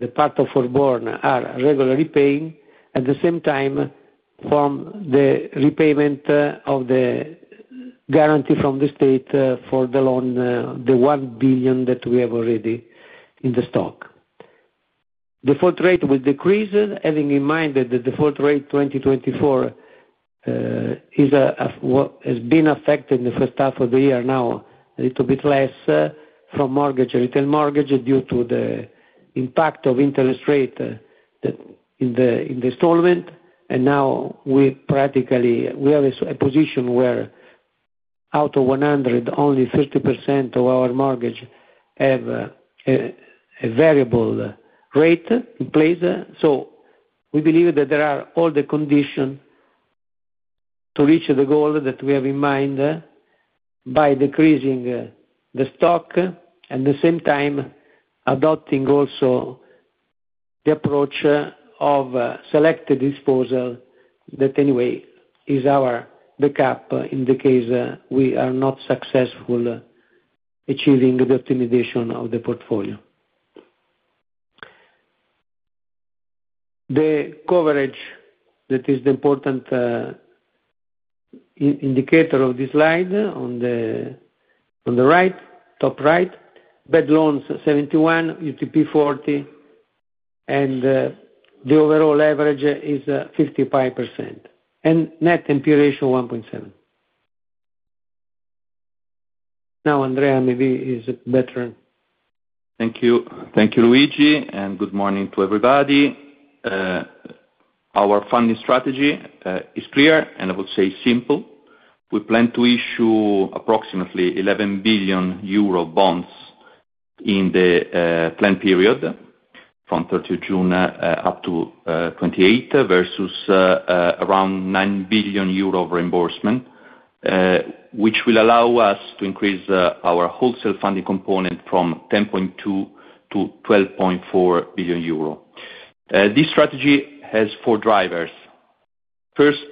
the part of forborn are regularly paying. At the same time, from the repayment of the guarantee from the state for the loan, the 1 billion that we have already in the stock. Default rate will decrease, having in mind that the default rate 2024 has been affected in the first half of the year now a little bit less from mortgage and retail mortgage due to the impact of interest rate in the installment. And now we practically have a position where out of 100, only 50% of our mortgage have a variable rate in place. So we believe that there are all the conditions to reach the goal that we have in mind by decreasing the stock and at the same time adopting also the approach of selected disposal that anyway is our backup in the case we are not successful achieving the optimization of the portfolio. The coverage that is the important indicator of this slide on the right, top right, bad loans 71%, UTP 40%, and the overall average is 55%. And net NPE ratio 1.7%. Now, Andrea, maybe he's better. Thank you. Thank you, Luigi, and good morning to everybody. Our funding strategy is clear, and I would say simple. We plan to issue approximately 11 billion euro bonds in the planned period from 30 June up to 2028 versus around 9 billion euro reimbursement, which will allow us to increase our wholesale funding component from 10.2 to 12.4 billion euro. This strategy has four drivers. First,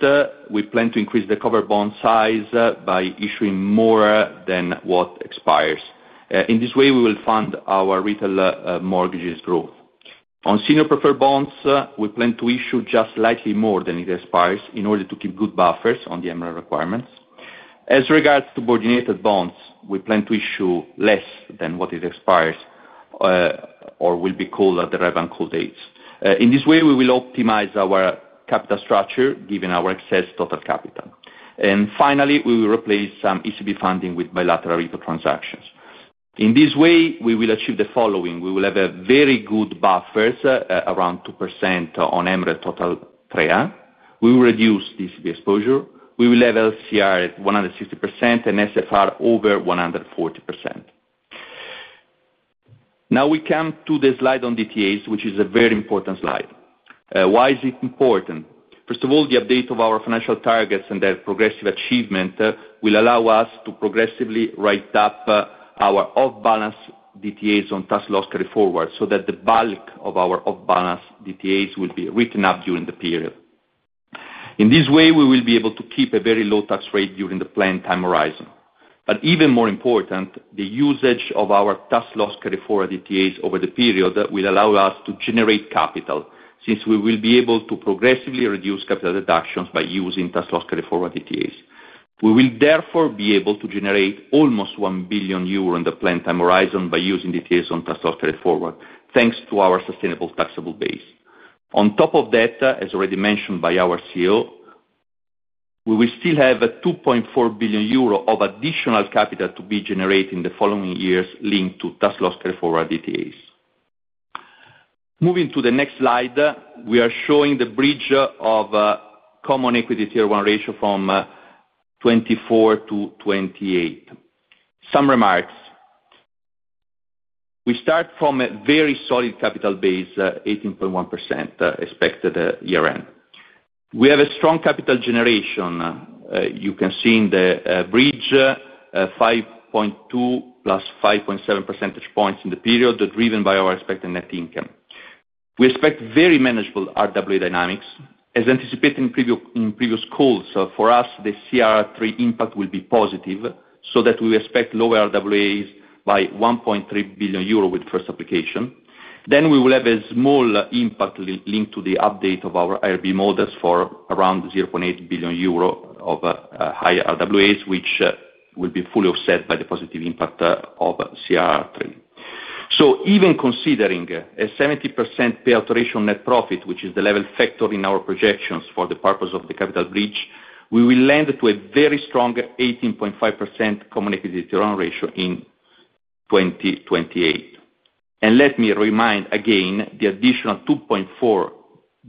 we plan to increase the covered bond size by issuing more than what expires. In this way, we will fund our retail mortgages' growth. On senior preferred bonds, we plan to issue just slightly more than it expires in order to keep good buffers on the MREL requirements. As regards to subordinated bonds, we plan to issue less than what it expires or will be called at the redemption call dates. In this way, we will optimize our capital structure given our excess total capital. Finally, we will replace some ECB funding with bilateral repo transactions. In this way, we will achieve the following. We will have very good buffers, around 2% on MREL-TREA. We will reduce the ECB exposure. We will have LCR at 160% and NSFR over 140%. Now we come to the slide on DTAs, which is a very important slide. Why is it important? First of all, the update of our financial targets and their progressive achievement will allow us to progressively write up our off-balance DTAs on tax loss carryforwards so that the bulk of our off-balance DTAs will be written up during the period. In this way, we will be able to keep a very low tax rate during the planned time horizon. But even more important, the usage of our tax loss carryforwards DTAs over the period will allow us to generate capital since we will be able to progressively reduce capital deductions by using tax loss carryforwards DTAs. We will therefore be able to generate almost 1 billion euro in the planned time horizon by using DTAs on tax loss carryforwards, thanks to our sustainable taxable base. On top of that, as already mentioned by our CEO, we will still have 2.4 billion euro of additional capital to be generated in the following years linked to tax loss carryforwards DTAs. Moving to the next slide, we are showing the bridge of Common Equity Tier 1 ratio from 2024 to 2028. Some remarks. We start from a very solid capital base, 18.1% expected year-end. We have a strong capital generation. You can see in the bridge 5.2 + 5.7 percentage points in the period driven by our expected net income. We expect very manageable RWA dynamics. As anticipated in previous calls, for us, the CRR3 impact will be positive so that we will expect lower RWAs by 1.3 billion euro with first application. Then we will have a small impact linked to the update of our IRB models for around 0.8 billion euro of higher RWAs, which will be fully offset by the positive impact of CRR3. So even considering a 70% payout ratio net profit, which is the level we factor in our projections for the purpose of the capital bridge, we will land at a very strong 18.5% Common Equity Tier 1 ratio in 2028. Let me remind again the additional 2.4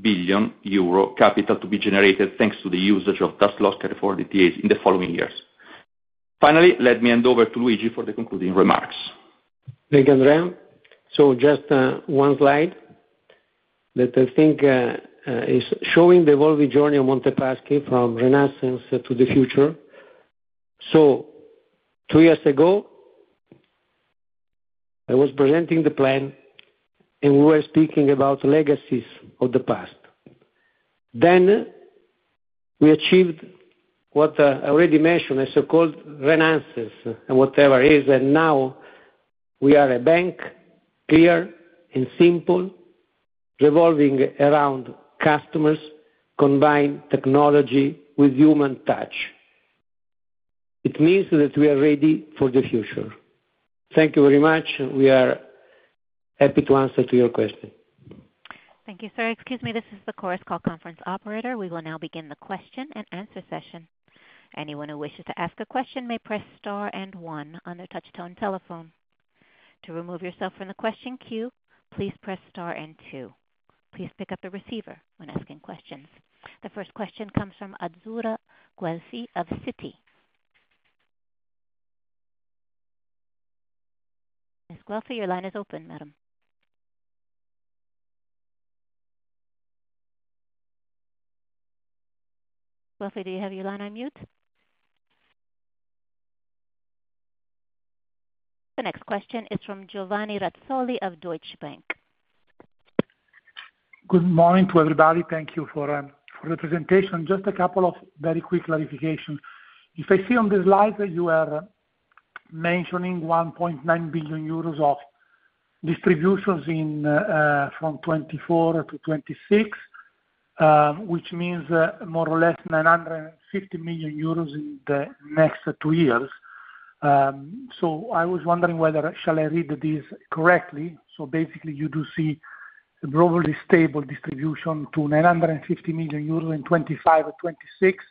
billion euro capital to be generated thanks to the usage of tax loss carryforwards DTAs in the following years. Finally, let me hand over to Luigi for the concluding remarks. Thank you, Andrea. Just one slide that I think is showing the evolving journey of Monte Paschi from renaissance to the future. Two years ago, I was presenting the plan, and we were speaking about legacies of the past. Then we achieved what I already mentioned, a so-called renaissance and whatever it is. And now we are a bank, clear and simple, revolving around customers, combined technology with human touch. It means that we are ready for the future. Thank you very much. We are happy to answer your question. Thank you, sir. Excuse me, this is the Chorus Call conference operator. We will now begin the question and answer session. Anyone who wishes to ask a question may press star and one on their touch-tone telephone. To remove yourself from the question queue, please press star and two. Please pick up the receiver when asking questions. The first question comes from Azzurra Guelfi of Citi. Ms. Guelfi, your line is open, madam. Guelfi, do you have your line on mute? The next question is from Giovanni Razzoli of Deutsche Bank. Good morning to everybody. Thank you for the presentation. Just a couple of very quick clarifications. If I see on this slide that you are mentioning 1.9 billion euros of distributions from 2024 to 2026, which means more or less 950 million euros in the next two years. So I was wondering whether shall I read this correctly? So basically, you do see a globally stable distribution to 950 million euros in 2025, 2026,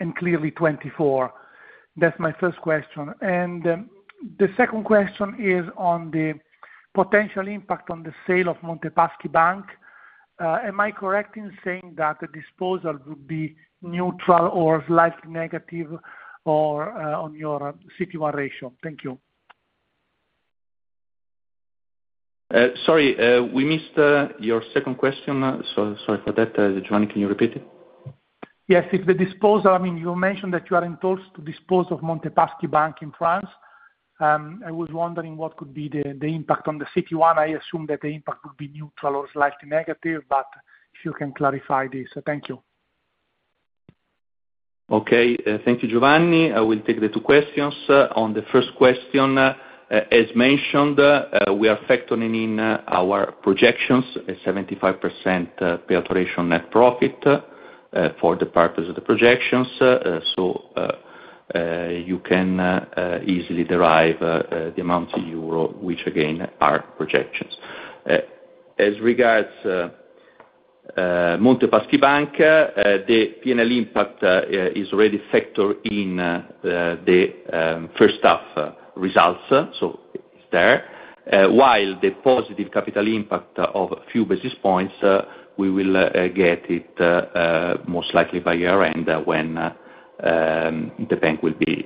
and clearly 2024. That's my first question. And the second question is on the potential impact on the sale of Monte Paschi Banque. Am I correct in saying that the disposal would be neutral or slightly negative on your CET1 ratio? Thank you. Sorry, we missed your second question. So sorry for that. Giovanni, can you repeat it? Yes. If the disposal, I mean, you mentioned that you are engaged to dispose of Monte Paschi Banque in France. I was wondering what could be the impact on the CET1. I assume that the impact would be neutral or slightly negative, but if you can clarify this. Thank you. Okay. Thank you, Giovanni. I will take the two questions. On the first question, as mentioned, we are factoring in our projections at 75% payout ratio on net profit for the purpose of the projections. So you can easily derive the amount in euro, which again are projections. As regards Monte Paschi Banque, the P&L impact is already factored in the first-half results. So it's there. While the positive capital impact of a few basis points, we will get it most likely by year-end when the bank will be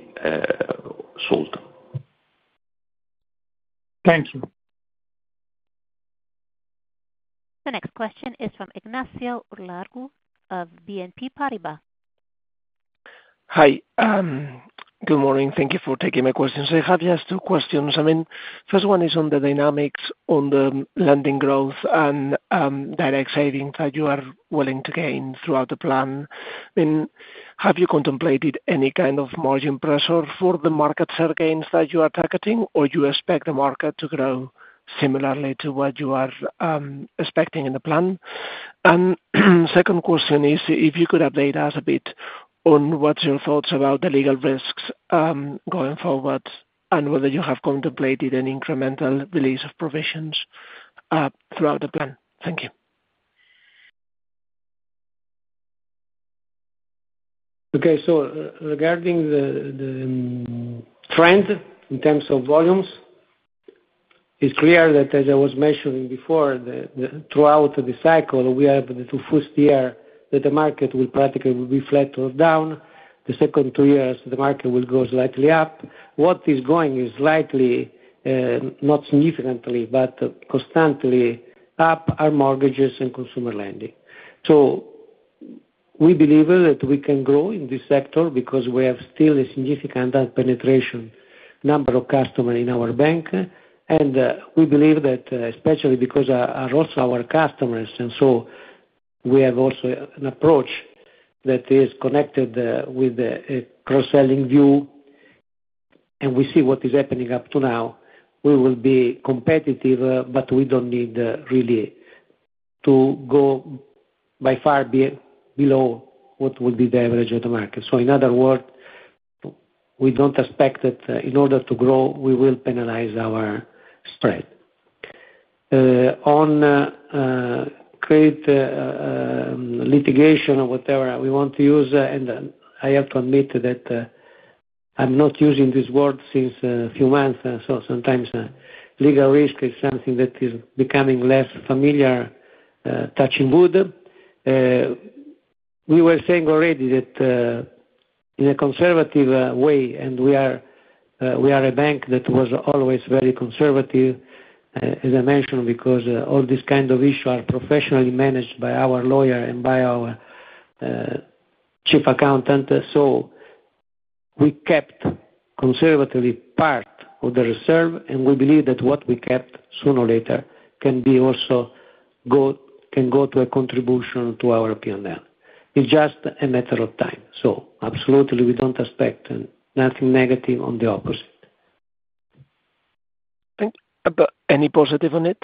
sold. Thank you. The next question is from Ignacio Ulargui of BNP Paribas. Hi. Good morning. Thank you for taking my questions. I have just two questions. I mean, first one is on the dynamics on the lending growth and that exciting that you are willing to gain throughout the plan.I mean, have you contemplated any kind of margin pressure for the market share gains that you are targeting, or do you expect the market to grow similarly to what you are expecting in the plan? Second question is if you could update us a bit on what's your thoughts about the legal risks going forward and whether you have contemplated an incremental release of provisions throughout the plan. Thank you. Okay. Regarding the trend in terms of volumes, it's clear that, as I was mentioning before, throughout the cycle, we have the two-fifth year that the market will practically be flat or down. The second two years, the market will go slightly up. What is going up is slightly, not significantly, but constantly up are mortgages and consumer lending. So we believe that we can grow in this sector because we have still a significant penetration number of customers in our bank. And we believe that, especially because also our customers, and so we have also an approach that is connected with a cross-selling view, and we see what is happening up to now. We will be competitive, but we don't need really to go by far below what would be the average of the market. So in other words, we don't expect that in order to grow, we will penalize our spread. On credit litigation or whatever we want to use, and I have to admit that I'm not using this word since a few months. So sometimes legal risk is something that is becoming less familiar, touching wood. We were saying already that in a conservative way, and we are a bank that was always very conservative, as I mentioned, because all these kinds of issues are professionally managed by our lawyer and by our chief accountant. So we kept conservatively part of the reserve, and we believe that what we kept, sooner or later, can also go to a contribution to our P&L. It's just a matter of time. So absolutely, we don't expect nothing negative on the opposite. Any positive on it?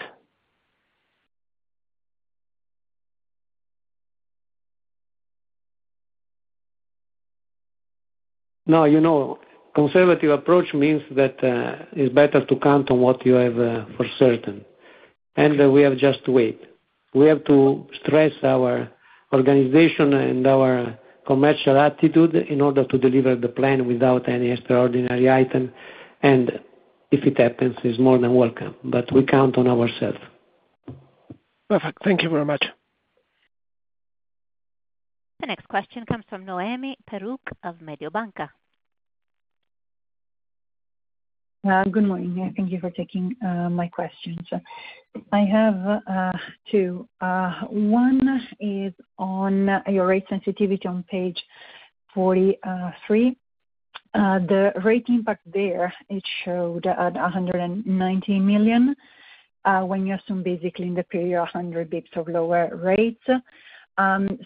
No, you know, conservative approach means that it's better to count on what you have for certain. And we have just to wait. We have to stress our organization and our commercial attitude in order to deliver the plan without any extraordinary item. And if it happens, it's more than welcome. But we count on ourselves. Perfect. Thank you very much. The next question comes from Noemi Peruch of Mediobanca. Good morning. Thank you for taking my questions. I have two. One is on your rate sensitivity on page 43. The rate impact there, it showed at 119 million when you assume basically in the period 100 basis points of lower rates.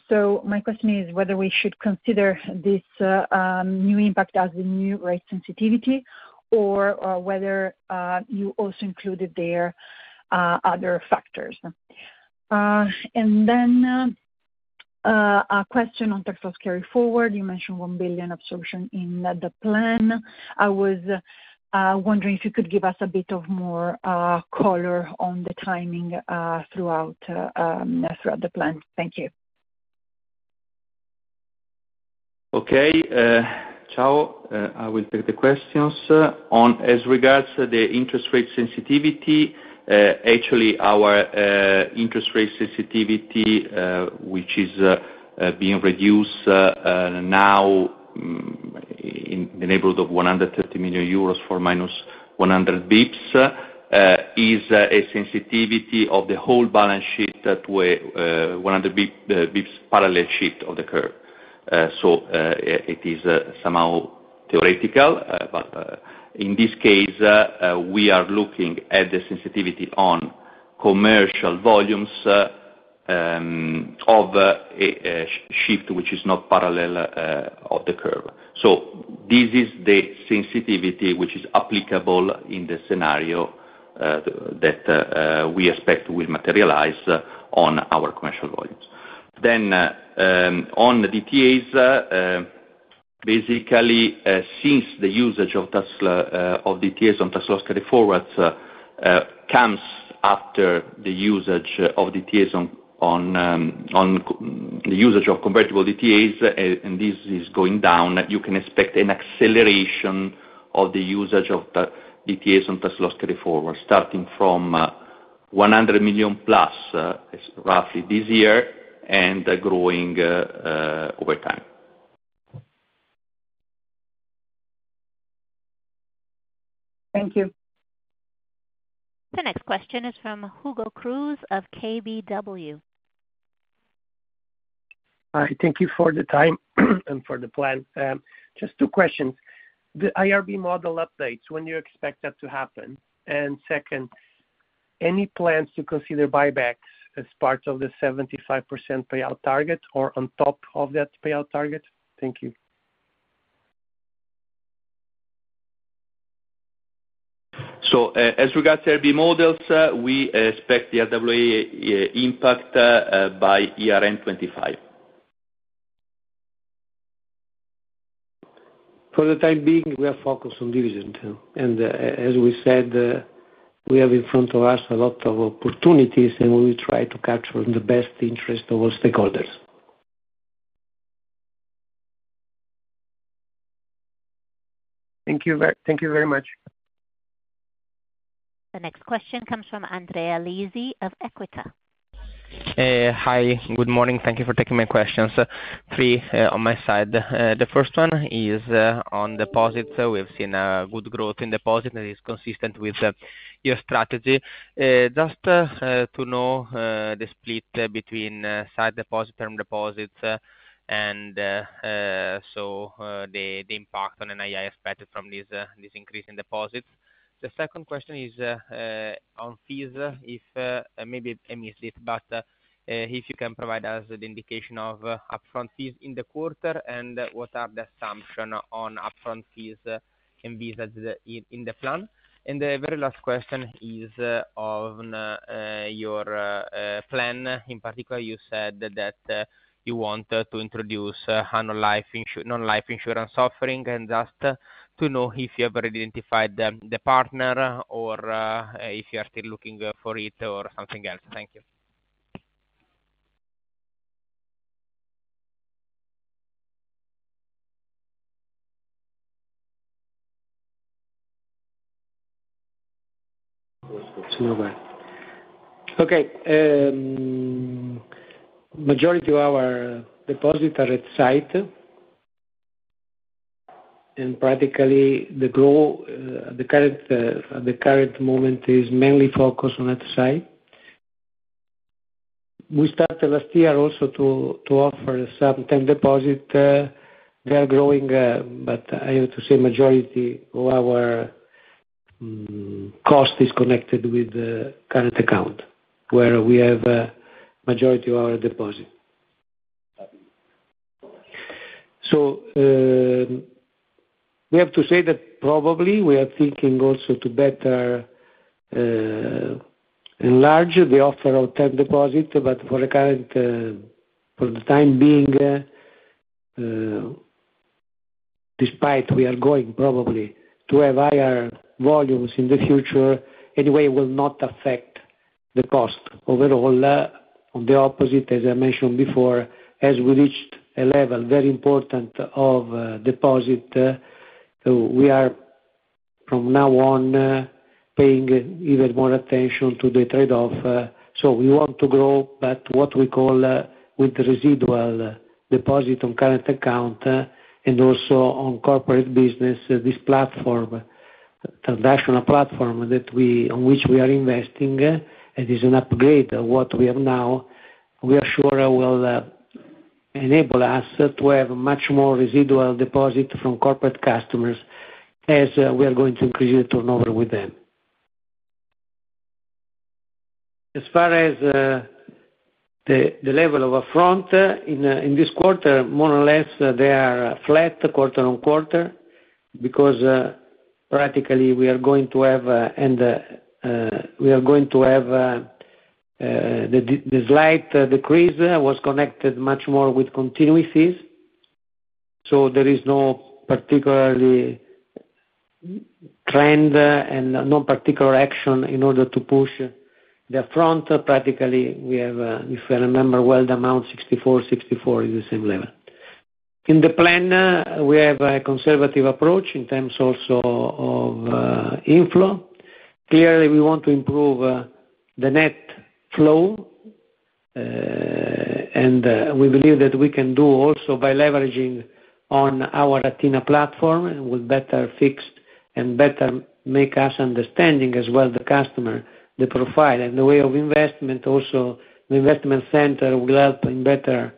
So my question is whether we should consider this new impact as the new rate sensitivity or whether you also included there other factors. And then a question on tax loss carryforwards. You mentioned 1 billion absorption in the plan. I was wondering if you could give us a bit of more color on the timing throughout the plan. Thank you. Okay. Ciao. I will take the questions. As regards to the interest rate sensitivity, actually our interest rate sensitivity, which is being reduced now in the neighborhood of 130 million euros for minus 100 basis points, is a sensitivity of the whole balance sheet to a 100 basis points parallel shift of the curve. So it is somehow theoretical, but in this case, we are looking at the sensitivity on commercial volumes of a shift which is not parallel of the curve. So this is the sensitivity which is applicable in the scenario that we expect will materialize on our commercial volumes. Then on the DTAs, basically since the usage of DTAs on tax loss carryforwards comes after the usage of DTAs on the usage of convertible DTAs, and this is going down, you can expect an acceleration of the usage of DTAs on tax loss carryforwards starting from 100 million plus roughly this year and growing over time. Thank you. The next question is from Hugo Cruz of KBW. Hi. Thank you for the time and for the plan. Just two questions. The IRB model updates, when do you expect that to happen? And second, any plans to consider buybacks as part of the 75% payout target or on top of that payout target? Thank you. So as regards to IRB models, we expect the RWA impact by year-end 2025. For the time being, we are focused on dividend. As we said, we have in front of us a lot of opportunities, and we will try to capture the best interest of our stakeholders. Thank you very much. The next question comes from Andrea Lisi of Equita. Hi. Good morning. Thank you for taking my questions. Three on my side. The first one is on deposits. We've seen good growth in deposits. It is consistent with your strategy. Just to know the split between sight deposits and term deposits and so the impact on NII expected from this increase in deposits. The second question is on fees. Maybe I missed it, but if you can provide us the indication of upfront fees in the quarter and what are the assumptions on upfront fees and visas in the plan. And the very last question is on your plan.In particular, you said that you want to introduce non-life insurance offering. Just to know if you have already identified the partner or if you are still looking for it or something else. Thank you. Okay. Majority of our deposits are at sight. Practically, the current moment is mainly focused on at sight. We started last year also to offer some term deposits. They are growing, but I have to say majority of our cost is connected with current account where we have majority of our deposits. So we have to say that probably we are thinking also to better enlarge the offer of term deposits. But for the current, for the time being, despite we are going probably to have higher volumes in the future, anyway, it will not affect the cost overall. On the opposite, as I mentioned before, as we reached a level very important of deposit, we are from now on paying even more attention to the trade-off. So we want to grow, but what we call with residual deposit on current account and also on corporate business, this platform, the national platform on which we are investing, it is an upgrade of what we have now. We are sure it will enable us to have much more residual deposit from corporate customers as we are going to increase the turnover with them. As far as the level of upfront in this quarter, more or less, they are flat quarter-on-quarter because practically we are going to have and we are going to have the slight decrease was connected much more with continuous fees. There is no particular trend and no particular action in order to push the front. Practically, we have, if I remember well, the amount 64, 64 is the same level. In the plan, we have a conservative approach in terms also of inflow. Clearly, we want to improve the net flow, and we believe that we can do also by leveraging on our Athena platform, and we'll better fix and better make us understanding as well the customer, the profile, and the way of investment. Also, the investment center will help in better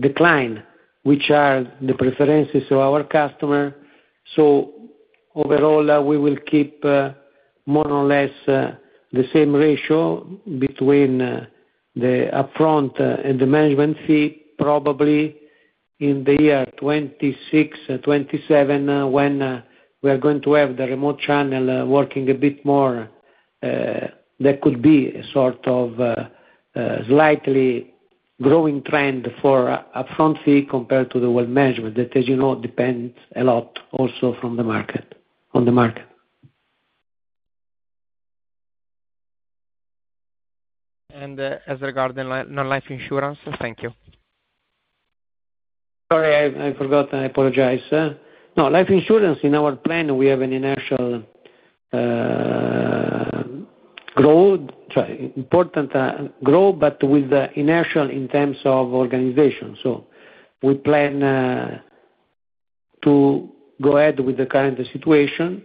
decline, which are the preferences of our customer. So overall, we will keep more or less the same ratio between the upfront and the management fee. Probably in the year 2026, 2027, when we are going to have the remote channel working a bit more, there could be a sort of slightly growing trend for upfront fee compared to the wealth management that, as you know, depends a lot also from the market on the market. And as regarding non-life insurance, thank you. Sorry, I forgot. I apologize. Non-life insurance in our plan, we have an inertial growth, important growth, but with inertial in terms of organization. So we plan to go ahead with the current situation.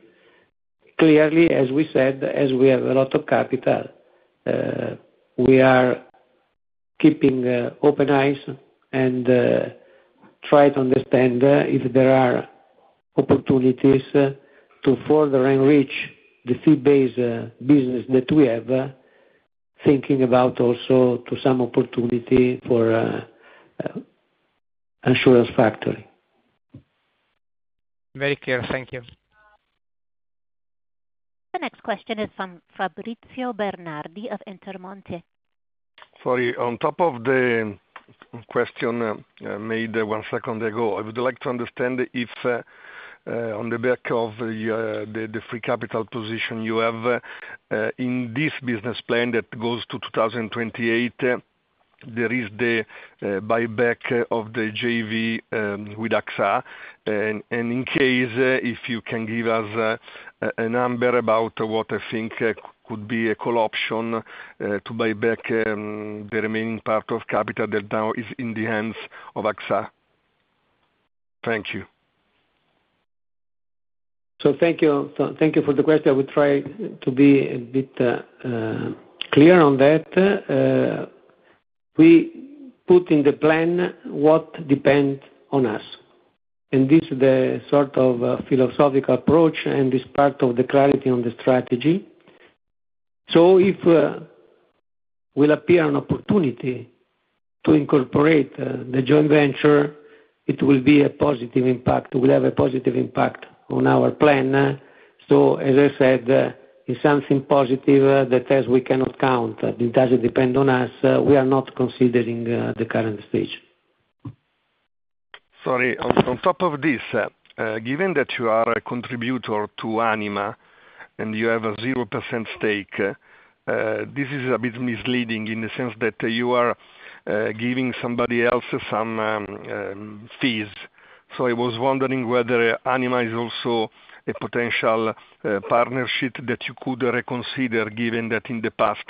Clearly, as we said, as we have a lot of capital, we are keeping open eyes and try to understand if there are opportunities to further enrich the fee-based business that we have, thinking about also to some opportunity for insurance factory. Very clear. Thank you. The next question is from Fabrizio Bernardi of Intermonte. Sorry. On top of the question made one second ago, I would like to understand if on the back of the free capital position you have in this business plan that goes to 2028, there is the buyback of the JV with AXA? And in case, if you can give us a number about what I think could be a cool option to buy back the remaining part of capital that now is in the hands of AXA. Thank you. So thank you for the question. I will try to be a bit clear on that. We put in the plan what depends on us. And this is the sort of philosophical approach, and this part of the clarity on the strategy. So if we'll appear an opportunity to incorporate the joint venture, it will be a positive impact. We'll have a positive impact on our plan. So as I said, it's something positive that as we cannot count, it doesn't depend on us. We are not considering the current stage. Sorry. On top of this, given that you are a contributor to Anima and you have a 0% stake, this is a bit misleading in the sense that you are giving somebody else some fees. So I was wondering whether Anima is also a potential partnership that you could reconsider given that in the past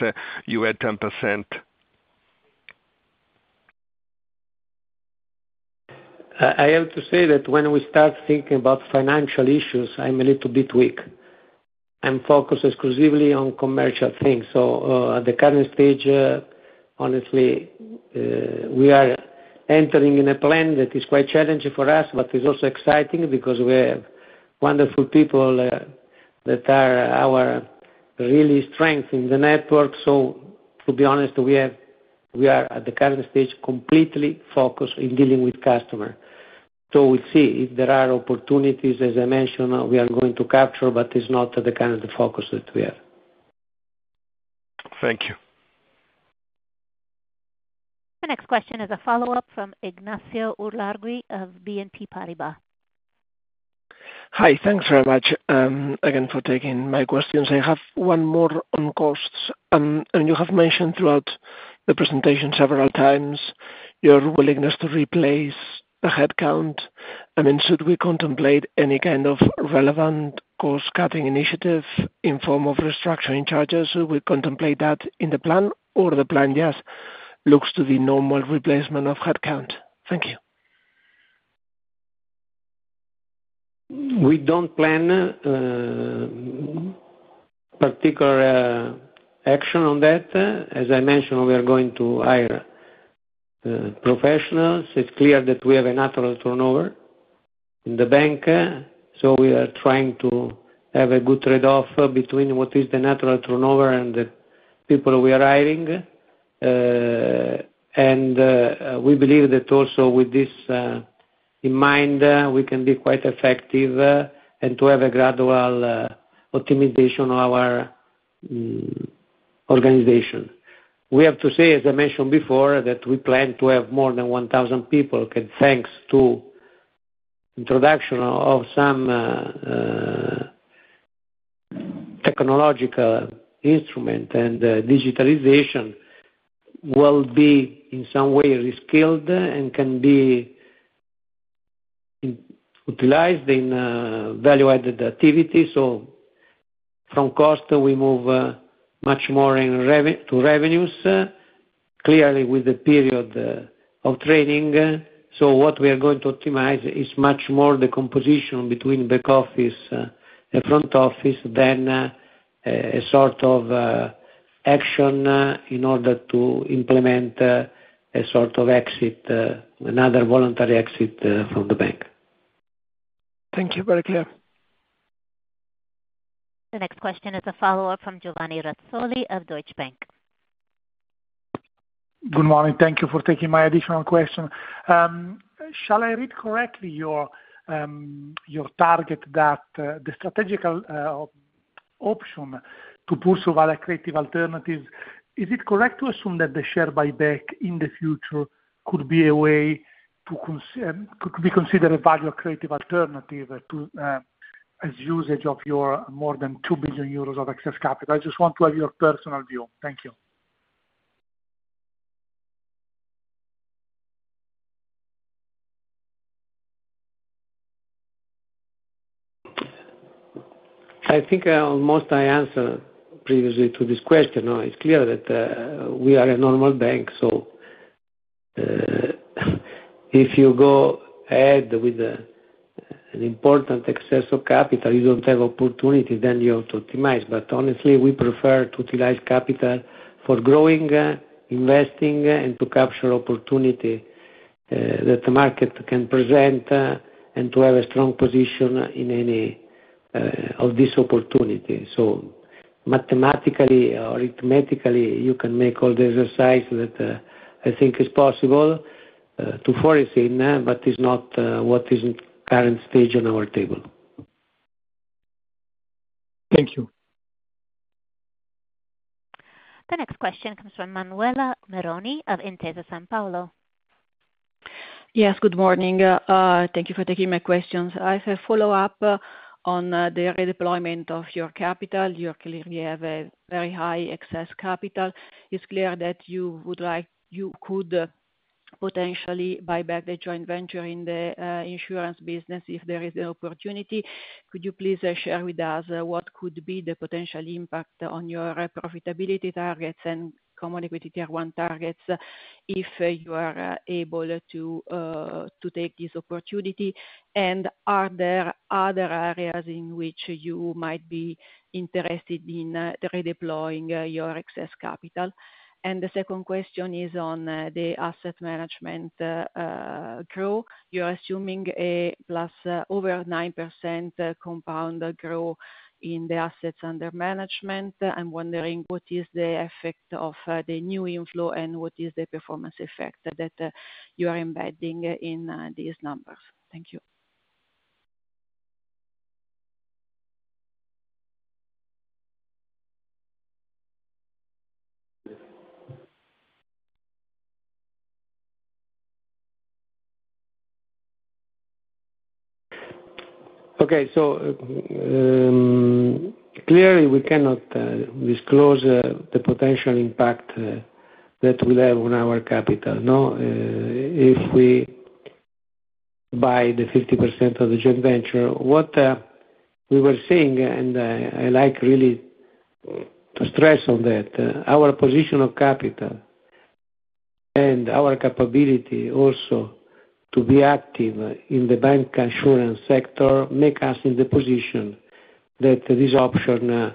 you had 10%. I have to say that when we start thinking about financial issues, I'm a little bit weak. I'm focused exclusively on commercial things. So at the current stage, honestly, we are entering in a plan that is quite challenging for us, but it's also exciting because we have wonderful people that are our really strength in the network. So to be honest, we are at the current stage completely focused in dealing with customers. So we'll see if there are opportunities, as I mentioned, we are going to capture, but it's not the kind of focus that we have. Thank you. The next question is a follow-up from Ignacio Ulargui of BNP Paribas. Hi. Thanks very much again for taking my questions. I have one more on costs. And you have mentioned throughout the presentation several times your willingness to replace the headcount. I mean, should we contemplate any kind of relevant cost-cutting initiative in form of restructuring charges? Should we contemplate that in the plan or the plan just looks to the normal replacement of headcount? Thank you. We don't plan particular action on that. As I mentioned, we are going to hire professionals. It's clear that we have a natural turnover in the bank. So we are trying to have a good trade-off between what is the natural turnover and the people we are hiring. And we believe that also with this in mind, we can be quite effective and to have a gradual optimization of our organization. We have to say, as I mentioned before, that we plan to have more than 1,000 people thanks to the introduction of some technological instruments, and digitalization will be in some way reskilled and can be utilized in value-added activities. So from cost, we move much more to revenues, clearly with the period of training. So what we are going to optimize is much more the composition between back office, front office, than a sort of action in order to implement a sort of exit, another voluntary exit from the bank. Thank you. Very clear. The next question is a follow-up from Giovanni Razzoli of Deutsche Bank. Good morning. Thank you for taking my additional question. Shall I read correctly your target that the strategic option to pursue value-added alternatives, is it correct to assume that the share buyback in the future could be a way to be considered a value-added alternative to as usage of your more than 2 billion euros of excess capital? I just want to have your personal view. Thank you. I think almost I answered previously to this question. It's clear that we are a normal bank. So if you go ahead with an important excess of capital, you don't have opportunity, then you have to optimize. But honestly, we prefer to utilize capital for growing, investing, and to capture opportunity that the market can present and to have a strong position in any of these opportunities. So mathematically or arithmetically, you can make all the exercise that I think is possible to foresee, but it's not what is current stage on our table. Thank you. The next question comes from Manuela Meroni of Intesa Sanpaolo. Yes. Good morning. Thank you for taking my questions. I have a follow-up on the redeployment of your capital. You clearly have a very high excess capital. It's clear that you would like you could potentially buy back the joint venture in the insurance business if there is an opportunity. Could you please share with us what could be the potential impact on your profitability targets and Common Equity Tier 1 targets if you are able to take this opportunity? And are there other areas in which you might be interested in redeploying your excess capital? And the second question is on the asset management growth. You're assuming a + over 9% compound growth in the assets under management. I'm wondering what is the effect of the new inflow and what is the performance effect that you are embedding in these numbers? Thank you. Okay. So clearly, we cannot disclose the potential impact that we have on our capital. If we buy the 50% of the joint venture, what we were saying, and I like really to stress on that, our position of capital and our capability also to be active in the bank insurance sector makes us in the position that this option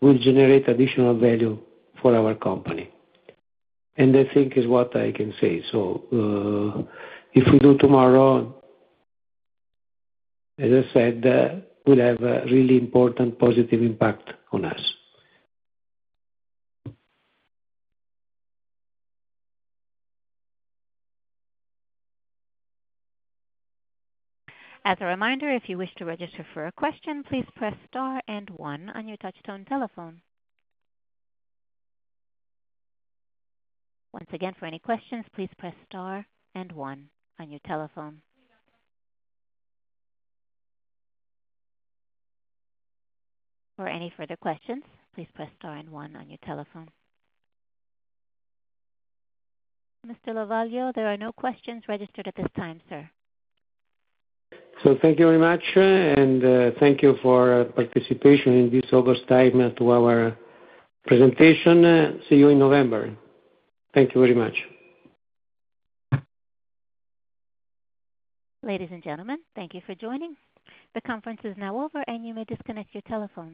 will generate additional value for our company. And I think is what I can say. So if we do tomorrow, as I said, we'll have a really important positive impact on us. As a reminder, if you wish to register for a question, please press star and one on your touch-tone telephone. Once again, for any questions, please press star and one on your telephone. For any further questions, please press star and one on your telephone. Mr. Lovaglio, there are no questions registered at this time, sir. So thank you very much, and thank you for participating in this overstatement to our presentation. See you in November. Thank you very much. Ladies and gentlemen, thank you for joining. The conference is now over, and you may disconnect your telephone.